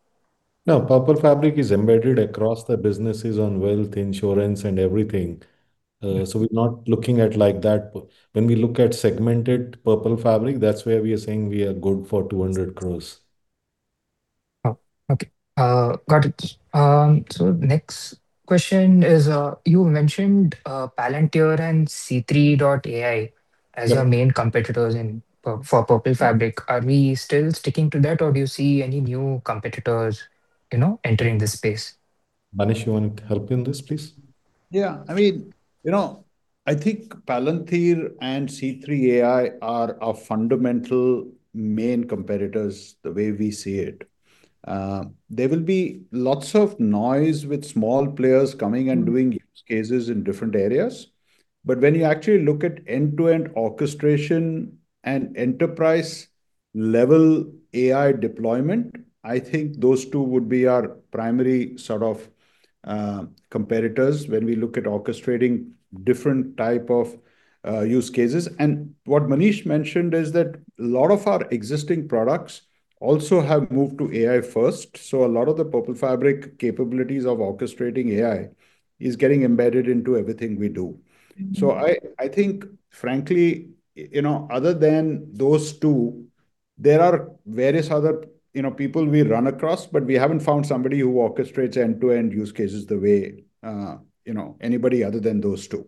No, Purple Fabric is embedded across the businesses on wealth, insurance, and everything. So we're not looking at it like that. When we look at segmented Purple Fabric, that's where we are saying we are good for 200 crore. Oh, okay. Got it. So next question is, you mentioned Palantir and C3.ai- Yeah as your main competitors in, for Purple Fabric. Are we still sticking to that, or do you see any new competitors, you know, entering this space? Manish, you want to help in this, please? Yeah. I mean, you know, I think Palantir and C3.ai are our fundamental main competitors, the way we see it. There will be lots of noise with small players coming and doing use cases in different areas, but when you actually look at end-to-end orchestration and enterprise-level AI deployment, I think those two would be our primary sort of competitors when we look at orchestrating different type of use cases. And what Manish mentioned is that a lot of our existing products also have moved to AI first. So a lot of the Purple Fabric capabilities of orchestrating AI is getting embedded into everything we do. Mm-hmm. So I, I think, frankly, you know, other than those two, there are various other, you know, people we run across, but we haven't found somebody who orchestrates end-to-end use cases the way, you know, anybody other than those two.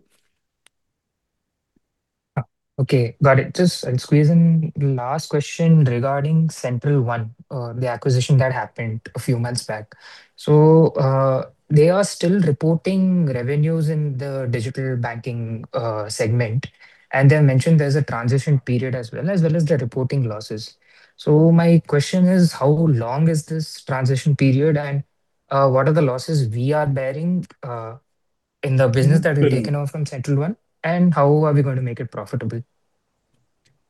Okay, got it. Just I'll squeeze in the last question regarding Central 1, the acquisition that happened a few months back. So, they are still reporting revenues in the digital banking, segment, and they mentioned there's a transition period as well, as well as the reporting losses. So my question is: How long is this transition period, and, what are the losses we are bearing, in the business that- We- We've taken off from Central 1, and how are we going to make it profitable?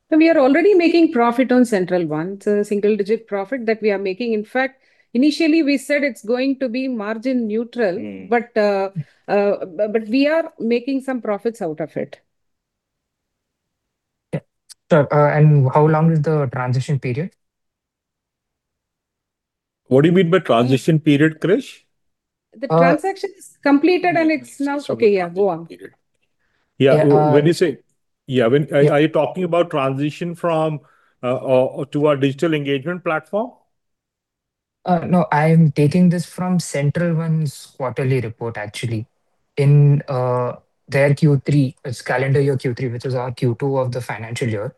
So we are already making profit on Central 1. It's a single-digit profit that we are making. In fact, initially we said it's going to be margin neutral- Mm. But we are making some profits out of it. Yeah. So, and how long is the transition period? What do you mean by transition period, Krish? The transaction is completed, and it's now... Okay, yeah, go on. Yeah. Uh- When you say... Yeah, when- Yeah. Are you talking about transition from to our Digital Engagement Platform? No. I'm taking this from Central 1's quarterly report, actually. In their Q3, it's calendar year Q3, which is our Q2 of the financial year,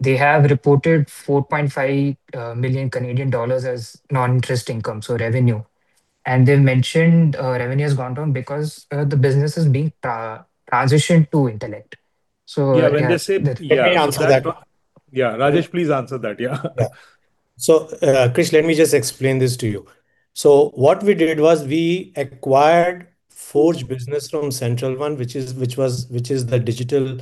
they have reported 4.5 million Canadian dollars as non-interest income, so revenue. And they've mentioned, revenue has gone down because the business is being transitioned to Intellect. So- Yeah, when they say- Let me answer that one. Yeah, Rajesh, please answer that. Yeah. Yeah. So, Krish, let me just explain this to you. So what we did was we acquired Forge business from Central 1, which is the digital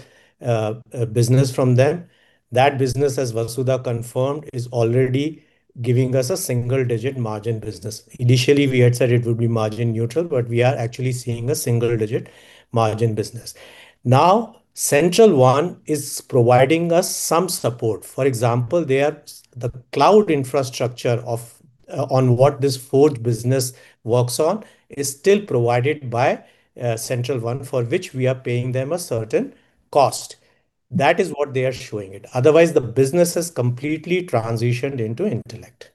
business from them. That business, as Vasudha confirmed, is already giving us a single-digit margin business. Initially, we had said it would be margin neutral, but we are actually seeing a single-digit margin business. Now, Central 1 is providing us some support. For example, their the cloud infrastructure of on what this Forge business works on is still provided by Central 1, for which we are paying them a certain cost. That is what they are showing it. Otherwise, the business has completely transitioned into Intellect.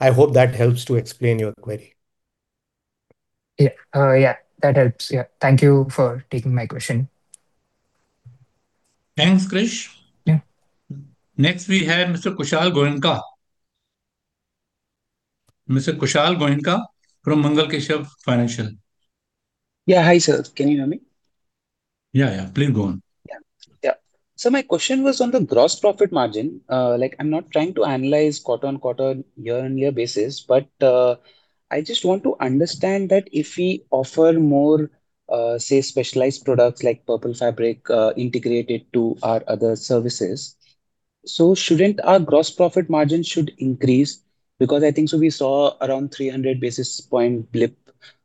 I hope that helps to explain your query. Yeah. Yeah, that helps. Yeah. Thank you for taking my question. Thanks, Krish. Yeah. Next, we have Mr. Kushal Goenka. Mr. Kushal Goenka from Mangal Keshav Financial. Yeah. Hi, sir. Can you hear me? Yeah, yeah, please go on. Yeah, yeah. So my question was on the gross profit margin. Like, I'm not trying to analyze quarter-on-quarter, year-on-year basis, but I just want to understand that if we offer more, say, specialized products like Purple Fabric, integrated to our other services, so shouldn't our gross profit margin should increase? Because I think, so we saw around 300 basis point blip,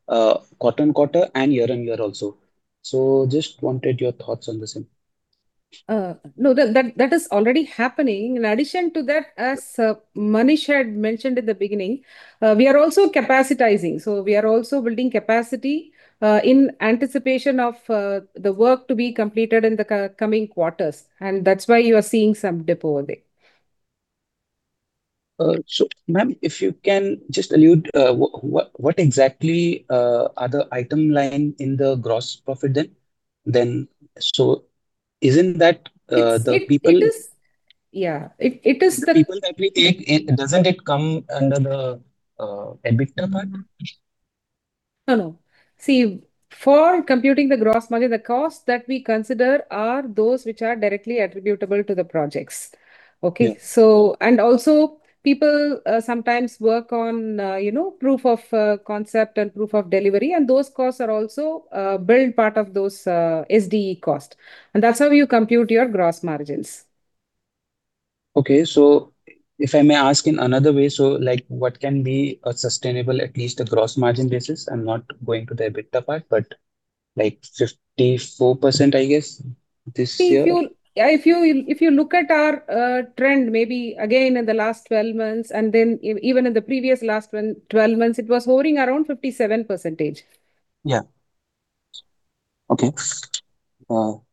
quarter-on-quarter and year-on-year also. So just wanted your thoughts on the same.... no, that, that, that is already happening. In addition to that, as Manish had mentioned in the beginning, we are also capacitizing. So we are also building capacity, in anticipation of the work to be completed in the coming quarters, and that's why you are seeing some dip over there. So ma'am, if you can just allude to what exactly are the line items in the gross profit then? So isn't that the people- It is... Yeah, it is the- People that we take, doesn't it come under the EBITDA part? No, no. See, for computing the gross margin, the costs that we consider are those which are directly attributable to the projects. Okay? Yeah. And also, people sometimes work on, you know, proof of concept and proof of delivery, and those costs are also billed part of those SDE cost. That's how you compute your gross margins. Okay. So if I may ask in another way, so, like, what can be a sustainable, at least a gross margin basis? I'm not going to the EBITDA part, but like 54%, I guess, this year. If you... Yeah, if you, if you look at our trend, maybe again in the last 12 months, and then even in the previous last 12 months, it was hovering around 57%. Yeah. Okay.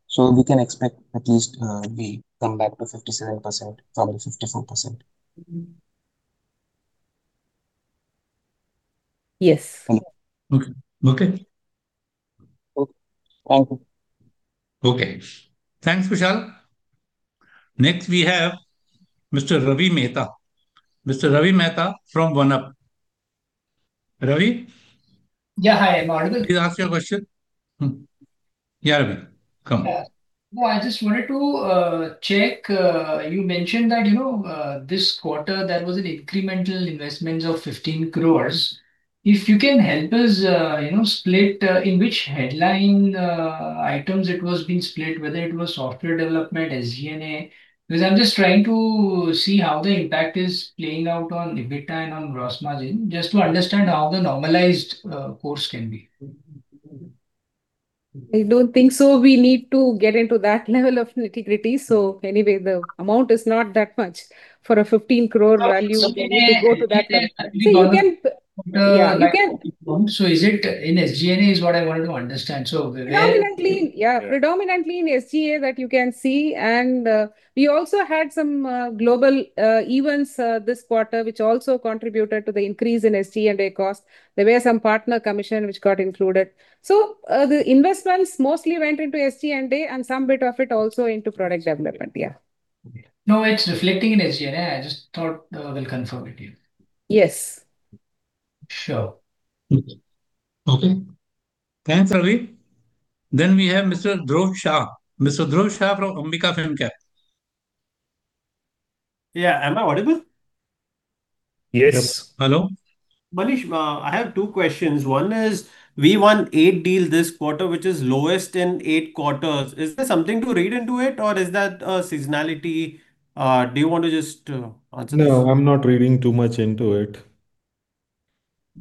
So we can expect at least, we come back to 57% from 54%. Mm-hmm. Yes. Okay. Okay. Okay. Thank you. Okay. Thanks, Vishal. Next, we have Mr. Ravi Mehta. Mr. Ravi Mehta from [OneUp]. Ravi? Yeah. Hi, I'm audible? Please ask your question. Hmm. Yeah, Ravi, come. Yeah. Well, I just wanted to check, you mentioned that, you know, this quarter there was an incremental investment of 15 crores. If you can help us, you know, split, in which headline items it was being split, whether it was software development, SG&A. Because I'm just trying to see how the impact is playing out on EBITDA and on gross margin, just to understand how the normalized course can be. I don't think so we need to get into that level of nitty-gritty. So anyway, the amount is not that much. For a 15 crore value- Okay... We need to go to that level. Yeah. So we can- Uh- Yeah, we can- So is it in SG&A what I wanted to understand, so where- Predominantly, yeah, predominantly in SG&A, that you can see. And, we also had some global events this quarter, which also contributed to the increase in SG&A cost. There were some partner commission which got included. So, the investments mostly went into SG&A, and some bit of it also into product development, yeah. No, it's reflecting in SG&A. I just thought, we'll confirm it here. Yes. Sure. Okay. Thanks, Ravi. Then we have Mr. Dhruv Shah. Mr. Dhruv Shah from Ambika Fincap. Yeah. Am I audible? Yes. Yes. Hello. Manish, I have two questions. One is, we won eight deals this quarter, which is lowest in eight quarters. Is there something to read into it or is that, seasonality? Do you want to just, answer this? No, I'm not reading too much into it.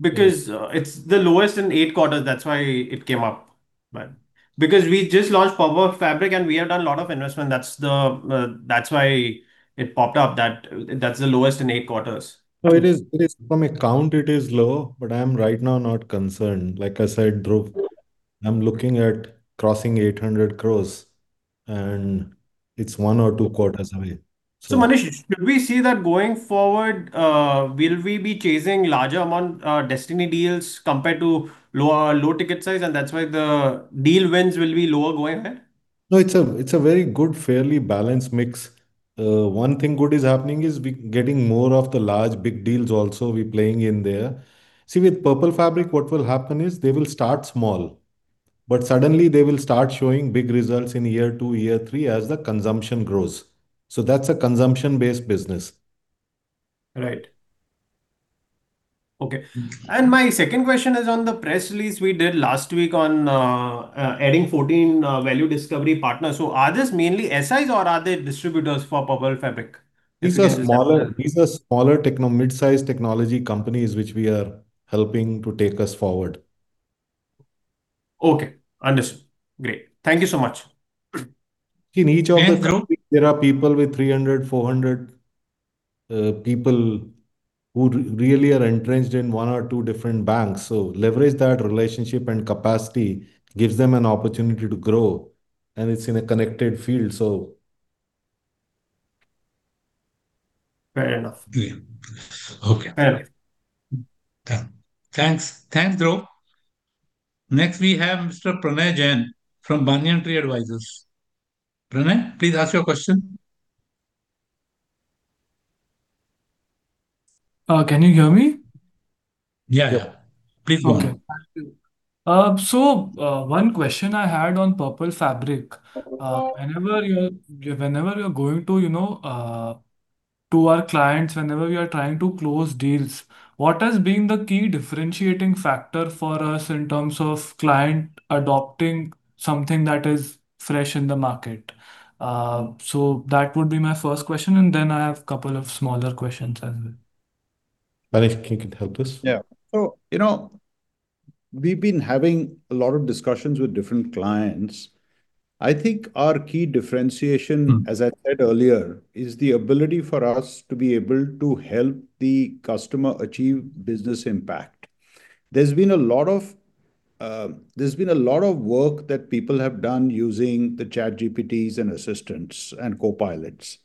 Because it's the lowest in eight quarters, that's why it came up, but... Because we just launched Purple Fabric, and we have done a lot of investment. That's... That's why it popped up, that that's the lowest in eight quarters. No, it is, it is from account it is low, but I'm right now not concerned. Like I said, Dhruv, I'm looking at crossing 800 crore, and it's one or two quarters away. So- So, Manish, should we see that going forward, will we be chasing larger amount, enterprise deals compared to lower, low ticket size, and that's why the deal wins will be lower going ahead? No, it's a very good, fairly balanced mix. One thing good is happening is we getting more of the large, big deals also we playing in there. See, with Purple Fabric, what will happen is they will start small, but suddenly they will start showing big results in year two, year three, as the consumption grows. So that's a consumption-based business. Right. Okay. Mm-hmm. My second question is on the press release we did last week on adding 14 value discovery partners. Are these mainly SIs or are they distributors for Purple Fabric? These are smaller mid-sized technology companies which we are helping to take us forward. Okay, understood. Great, thank you so much. In each of the- And group- there are people with 300, 400 people who really are entrenched in one or two different banks, so leverage that relationship and capacity gives them an opportunity to grow, and it's in a connected field, so... Fair enough. Yeah. Okay. Fair enough. Thanks. Thanks. Thanks, Dhruv. Next, we have Mr. Pranay Jain from BanyanTree Advisors. Pranay, please ask your question. Can you hear me? Yeah. Yeah. Please go on. Okay, thank you. So, one question I had on Purple Fabric: whenever you're going to, you know, to our clients, whenever we are trying to close deals, what has been the key differentiating factor for us in terms of client adopting something that is fresh in the market? So that would be my first question, and then I have a couple of smaller questions as well.... Manish, you can help us? Yeah. So, you know, we've been having a lot of discussions with different clients. I think our key differentiation- Mm. —as I said earlier, is the ability for us to be able to help the customer achieve business impact. There's been a lot of, there's been a lot of work that people have done using the ChatGPTs, and assistants, and copilots.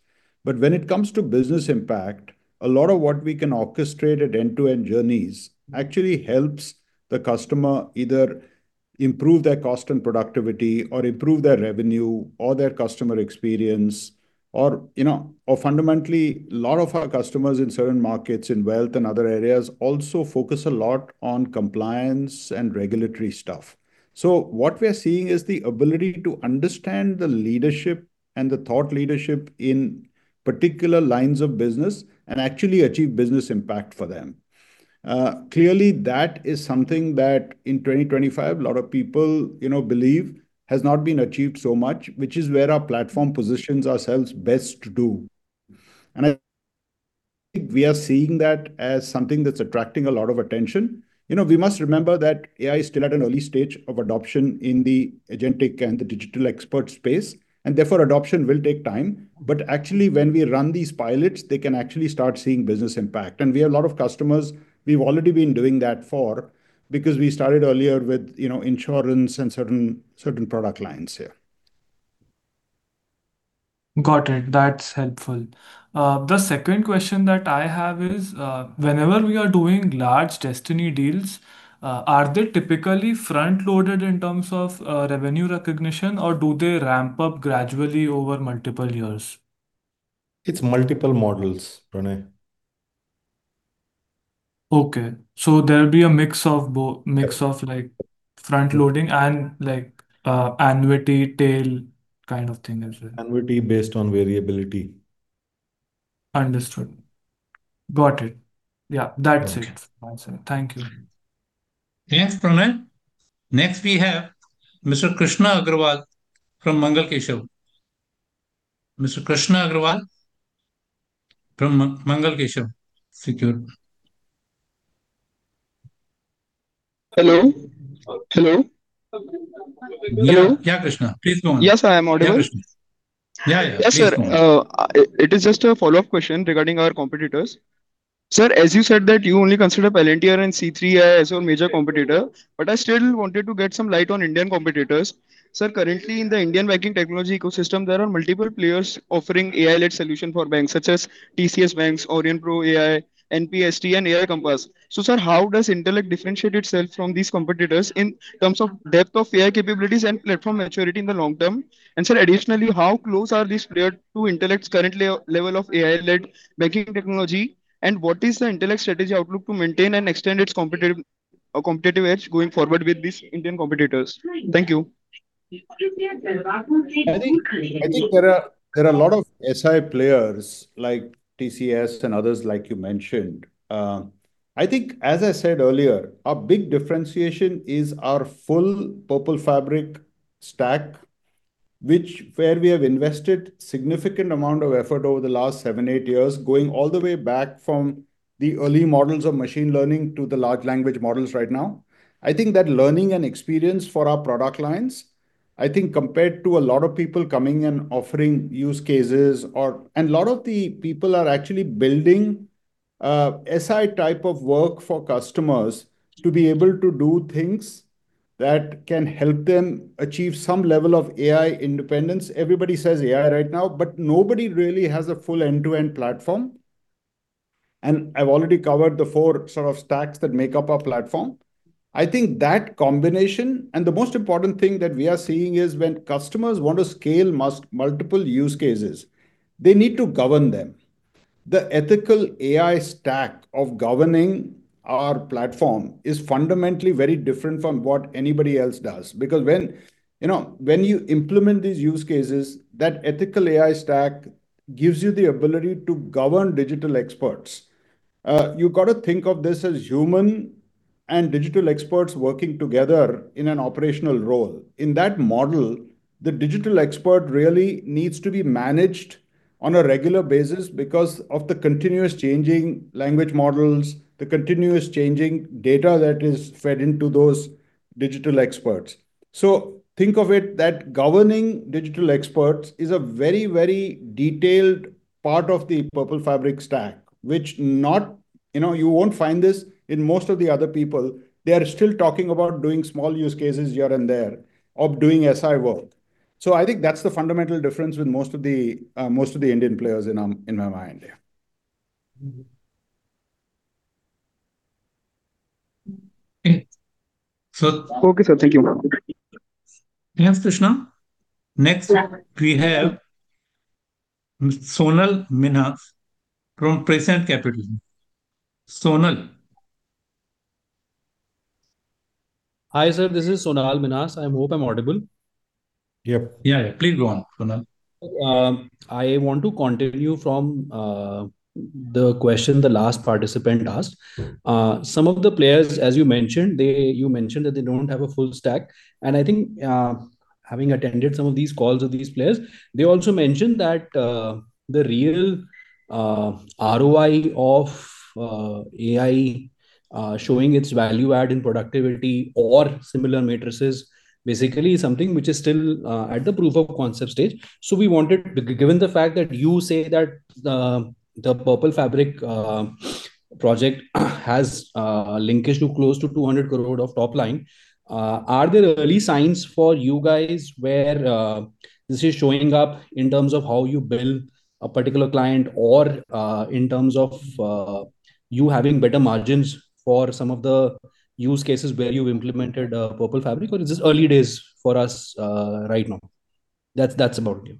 But when it comes to business impact, a lot of what we can orchestrate at end-to-end journeys actually helps the customer either improve their cost and productivity, or improve their revenue, or their customer experience, or, you know, or fundamentally, a lot of our customers in certain markets, in wealth and other areas, also focus a lot on compliance and regulatory stuff. So what we are seeing is the ability to understand the leadership and the thought leadership in particular lines of business, and actually achieve business impact for them. Clearly that is something that in 2025, a lot of people, you know, believe has not been achieved so much, which is where our platform positions ourselves best to do. And I think we are seeing that as something that's attracting a lot of attention. You know, we must remember that AI is still at an early stage of adoption in the agentic and the digital expert space, and therefore adoption will take time. But actually, when we run these pilots, they can actually start seeing business impact. And we have a lot of customers we've already been doing that for, because we started earlier with, you know, insurance and certain product lines here. Got it. That's helpful. The second question that I have is, whenever we are doing large Destiny Deals, are they typically front-loaded in terms of revenue recognition, or do they ramp up gradually over multiple years? It's multiple models, Pranay. Okay. So there'll be a mix of, like, front loading and, like, annuity tail kind of thing as well? Annuity based on variability. Understood. Got it. Yeah, that's it. Okay. Thank you, sir. Thank you. Thanks, Pranay. Next, we have Mr. Krishna Agrawal from Mangal Keshav. Mr. Krishna Agrawal from Mangal Keshav. Secure. Hello? Hello. Hello. Yeah, yeah, Krishna. Please go on. Yes, sir, I am audible. Yeah, Krishna. Yeah, yeah. Yes, sir. Please go on. It is just a follow-up question regarding our competitors. Sir, as you said, that you only consider Palantir and C3.ai as your major competitor, but I still wanted to get some light on Indian competitors. Sir, currently, in the Indian banking technology ecosystem, there are multiple players offering AI-led solution for banks, such as TCS BaNCS, Aurionpro, NPST, and [AI Compass]. So sir, how does Intellect differentiate itself from these competitors in terms of depth of AI capabilities and platform maturity in the long term? And sir, additionally, how close are these players to Intellect's current level of AI-led banking technology, and what is the Intellect strategy outlook to maintain and extend its competitive edge going forward with these Indian competitors? Thank you. I think there are a lot of SI players, like TCS and others, like you mentioned. I think, as I said earlier, our big differentiation is our full Purple Fabric stack, where we have invested significant amount of effort over the last 7-8 years, going all the way back from the early models of machine learning to the large language models right now. I think that learning and experience for our product lines, I think compared to a lot of people coming and offering use cases or... And a lot of the people are actually building SI type of work for customers to be able to do things that can help them achieve some level of AI independence. Everybody says AI right now, but nobody really has a full end-to-end platform. And I've already covered the four sort of stacks that make up our platform. I think that combination... And the most important thing that we are seeing is when customers want to scale multiple use cases, they need to govern them. The ethical AI stack of governing our platform is fundamentally very different from what anybody else does. Because when, you know, when you implement these use cases, that ethical AI stack gives you the ability to govern digital experts. You've got to think of this as human and digital experts working together in an operational role. In that model, the digital expert really needs to be managed on a regular basis because of the continuous changing language models, the continuous changing data that is fed into those digital experts. So think of it that governing digital experts is a very, very detailed part of the Purple Fabric stack, which, you know, you won't find this in most of the other people. They are still talking about doing small use cases here and there of doing SI work. So I think that's the fundamental difference with most of the, most of the Indian players in, in my mind, yeah. Okay. So- Okay, sir. Thank you very much. Thanks, Krishna. Next, we have Sonal Minhas from Prescient Capital. Sonal? Hi, sir, this is Sonal Minhas. I hope I'm audible. Yep. Yeah, yeah. Please go on, Sonal. I want to continue from the question the last participant asked. Some of the players, as you mentioned, you mentioned that they don't have a full stack, and I think, having attended some of these calls with these players, they also mentioned that, the real ROI of AI showing its value add in productivity or similar matrices, basically something which is still at the proof of concept stage. So we wanted—given the fact that you say that the Purple Fabric project has linkage to close to 200 crore of top line, are there early signs for you guys where this is showing up in terms of how you bill a particular client or in terms of you having better margins for some of the use cases where you've implemented Purple Fabric? Or is this early days for us right now? That's, that's about it.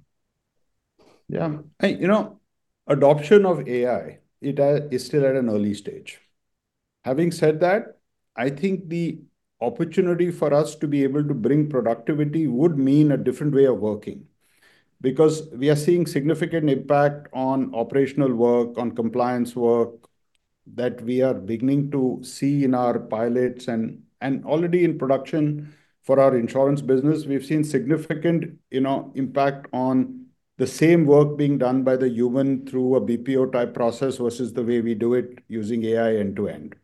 Yeah. You know, adoption of AI, it is still at an early stage. Having said that, I think the opportunity for us to be able to bring productivity would mean a different way of working. Because we are seeing significant impact on operational work, on compliance work, that we are beginning to see in our pilots and already in production. For our insurance business, we've seen significant, you know, impact on the same work being done by the human through a BPO-type process versus the way we do it using AI end-to-end.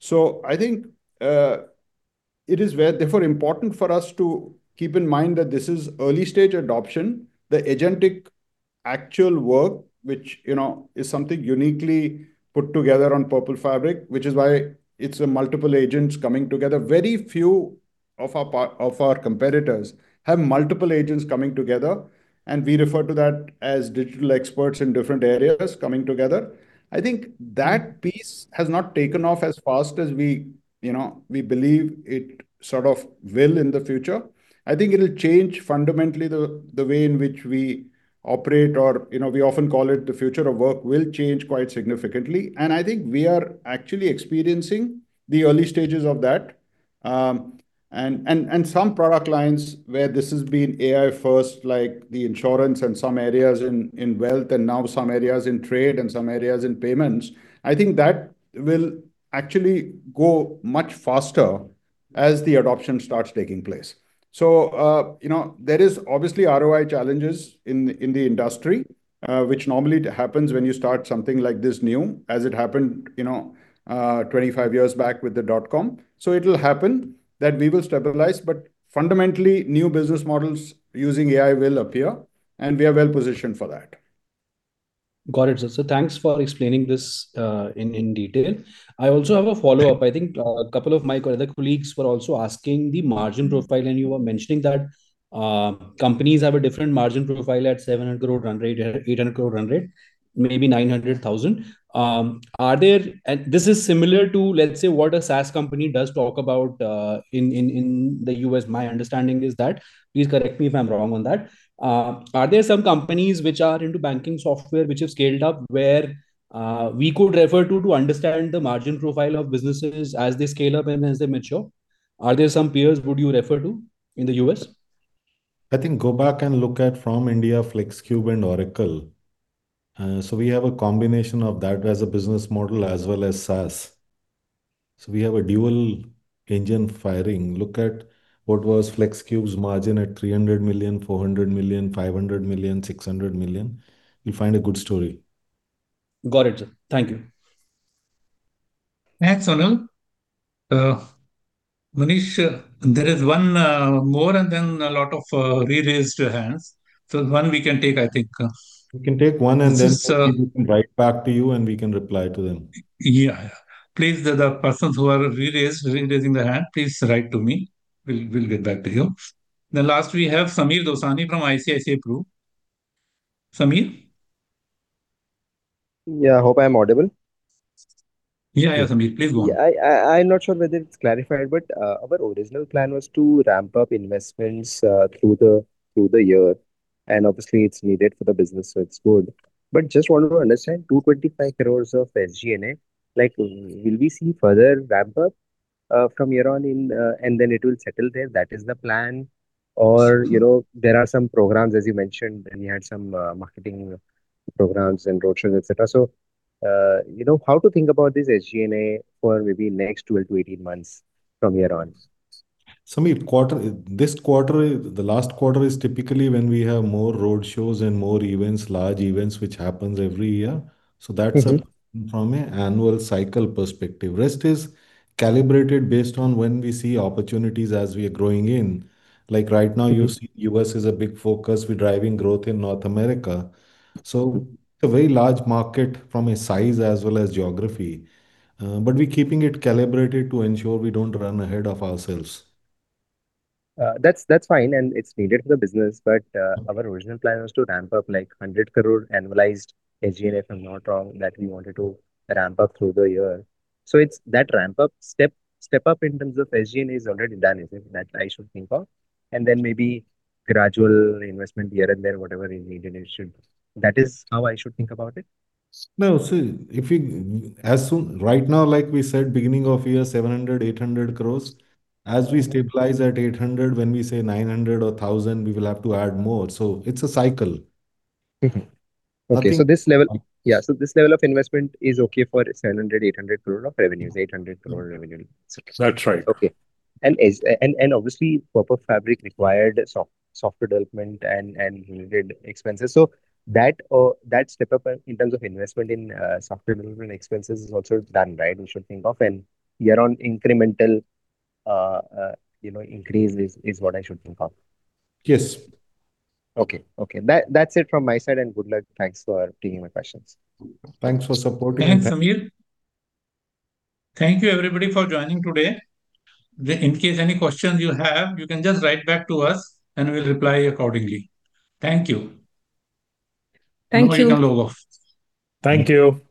So I think it is very therefore important for us to keep in mind that this is early-stage adoption. The agentic actual work, which, you know, is something uniquely put together on Purple Fabric, which is why it's a multiple agents coming together. Very few of our competitors have multiple agents coming together, and we refer to that as digital experts in different areas coming together. I think that piece has not taken off as fast as we, you know, we believe it sort of will in the future. I think it'll change fundamentally the, the way in which we operate or, you know, we often call it the future of work, will change quite significantly. And I think we are actually experiencing the early stages of that. And some product lines where this has been AI first, like the insurance and some areas in, in wealth, and now some areas in trade and some areas in payments, I think that will actually go much faster as the adoption starts taking place. So, you know, there is obviously ROI challenges in the industry, which normally happens when you start something like this new, as it happened, you know, 25 years back with the dot-com. So it'll happen, that we will stabilize, but fundamentally, new business models using AI will appear, and we are well positioned for that. Got it, sir. So thanks for explaining this, in detail. I also have a follow-up. I think, a couple of my other colleagues were also asking the margin profile, and you were mentioning that, companies have a different margin profile at 700 crore run rate, 800 crore run rate, maybe 900,000. Are there... And this is similar to, let's say, what a SaaS company does talk about, in the U.S. My understanding is that. Please correct me if I'm wrong on that. Are there some companies which are into banking software, which have scaled up, where, we could refer to, to understand the margin profile of businesses as they scale up and as they mature? Are there some peers would you refer to in the U.S.? I think go back and look at from India, FLEXCUBE and Oracle. So we have a combination of that as a business model as well as SaaS. So we have a dual engine firing. Look at what was FLEXCUBE's margin at 300 million, 400 million, 500 million, 600 million. You'll find a good story. Got it, sir. Thank you. Thanks, Anil. Manish, there is one more and then a lot of re-raised hands. So one we can take, I think- We can take one and then- This is. You can write back to you, and we can reply to them. Yeah. Please, the persons who are re-raising their hand, please write to me. We'll get back to you. The last we have Sameer Dosani from ICICI Pru. Sameer? Yeah. Hope I'm audible. Yeah, yeah, Sameer, please go on. Yeah, I'm not sure whether it's clarified, but, our original plan was to ramp up investments, through the year, and obviously it's needed for the business, so it's good. But just want to understand, 225 crore of SG&A, like, will we see further ramp up, from here on in, and then it will settle there? That is the plan. Or, you know, there are some programs, as you mentioned, and you had some, marketing programs and roadshows, et cetera. So, you know, how to think about this SG&A for maybe next 12 to 18 months from here on? Sameer, this quarter, the last quarter is typically when we have more road shows and more events, large events, which happens every year. So that's from an annual cycle perspective. Rest is calibrated based on when we see opportunities as we are growing in. Like right now, you see U.S. is a big focus. We're driving growth in North America, so a very large market from a size as well as geography. But we're keeping it calibrated to ensure we don't run ahead of ourselves. That's, that's fine, and it's needed for the business. But, our original plan was to ramp up, like, 100 crore annualized SG&A, if I'm not wrong, that we wanted to ramp up through the year. So it's that ramp up, step, step up in terms of SG&A is already done, is it, that I should think of? And then maybe gradual investment here and there, whatever is needed, it should... That is how I should think about it? No, so right now, like we said, beginning of year, 700-800 crore. As we stabilize at 800, when we say 900 or 1,000, we will have to add more. So it's a cycle. Mm-hmm. Okay. Nothing- So this level... Yeah, so this level of investment is okay for 700- 800 crore of revenues, 800 crore revenue? That's right. Okay. And obviously, Purple Fabric required software development and related expenses. So that step up in terms of investment in software development expenses is also done, right? We should think of and year-on-year incremental increase, you know, is what I should think of? Yes. Okay. Okay, that, that's it from my side, and good luck. Thanks for taking my questions. Thanks for supporting. Thanks, Sameer. Thank you, everybody, for joining today. In case any questions you have, you can just write back to us, and we'll reply accordingly. Thank you. Thank you. Thank you, all. Thank you.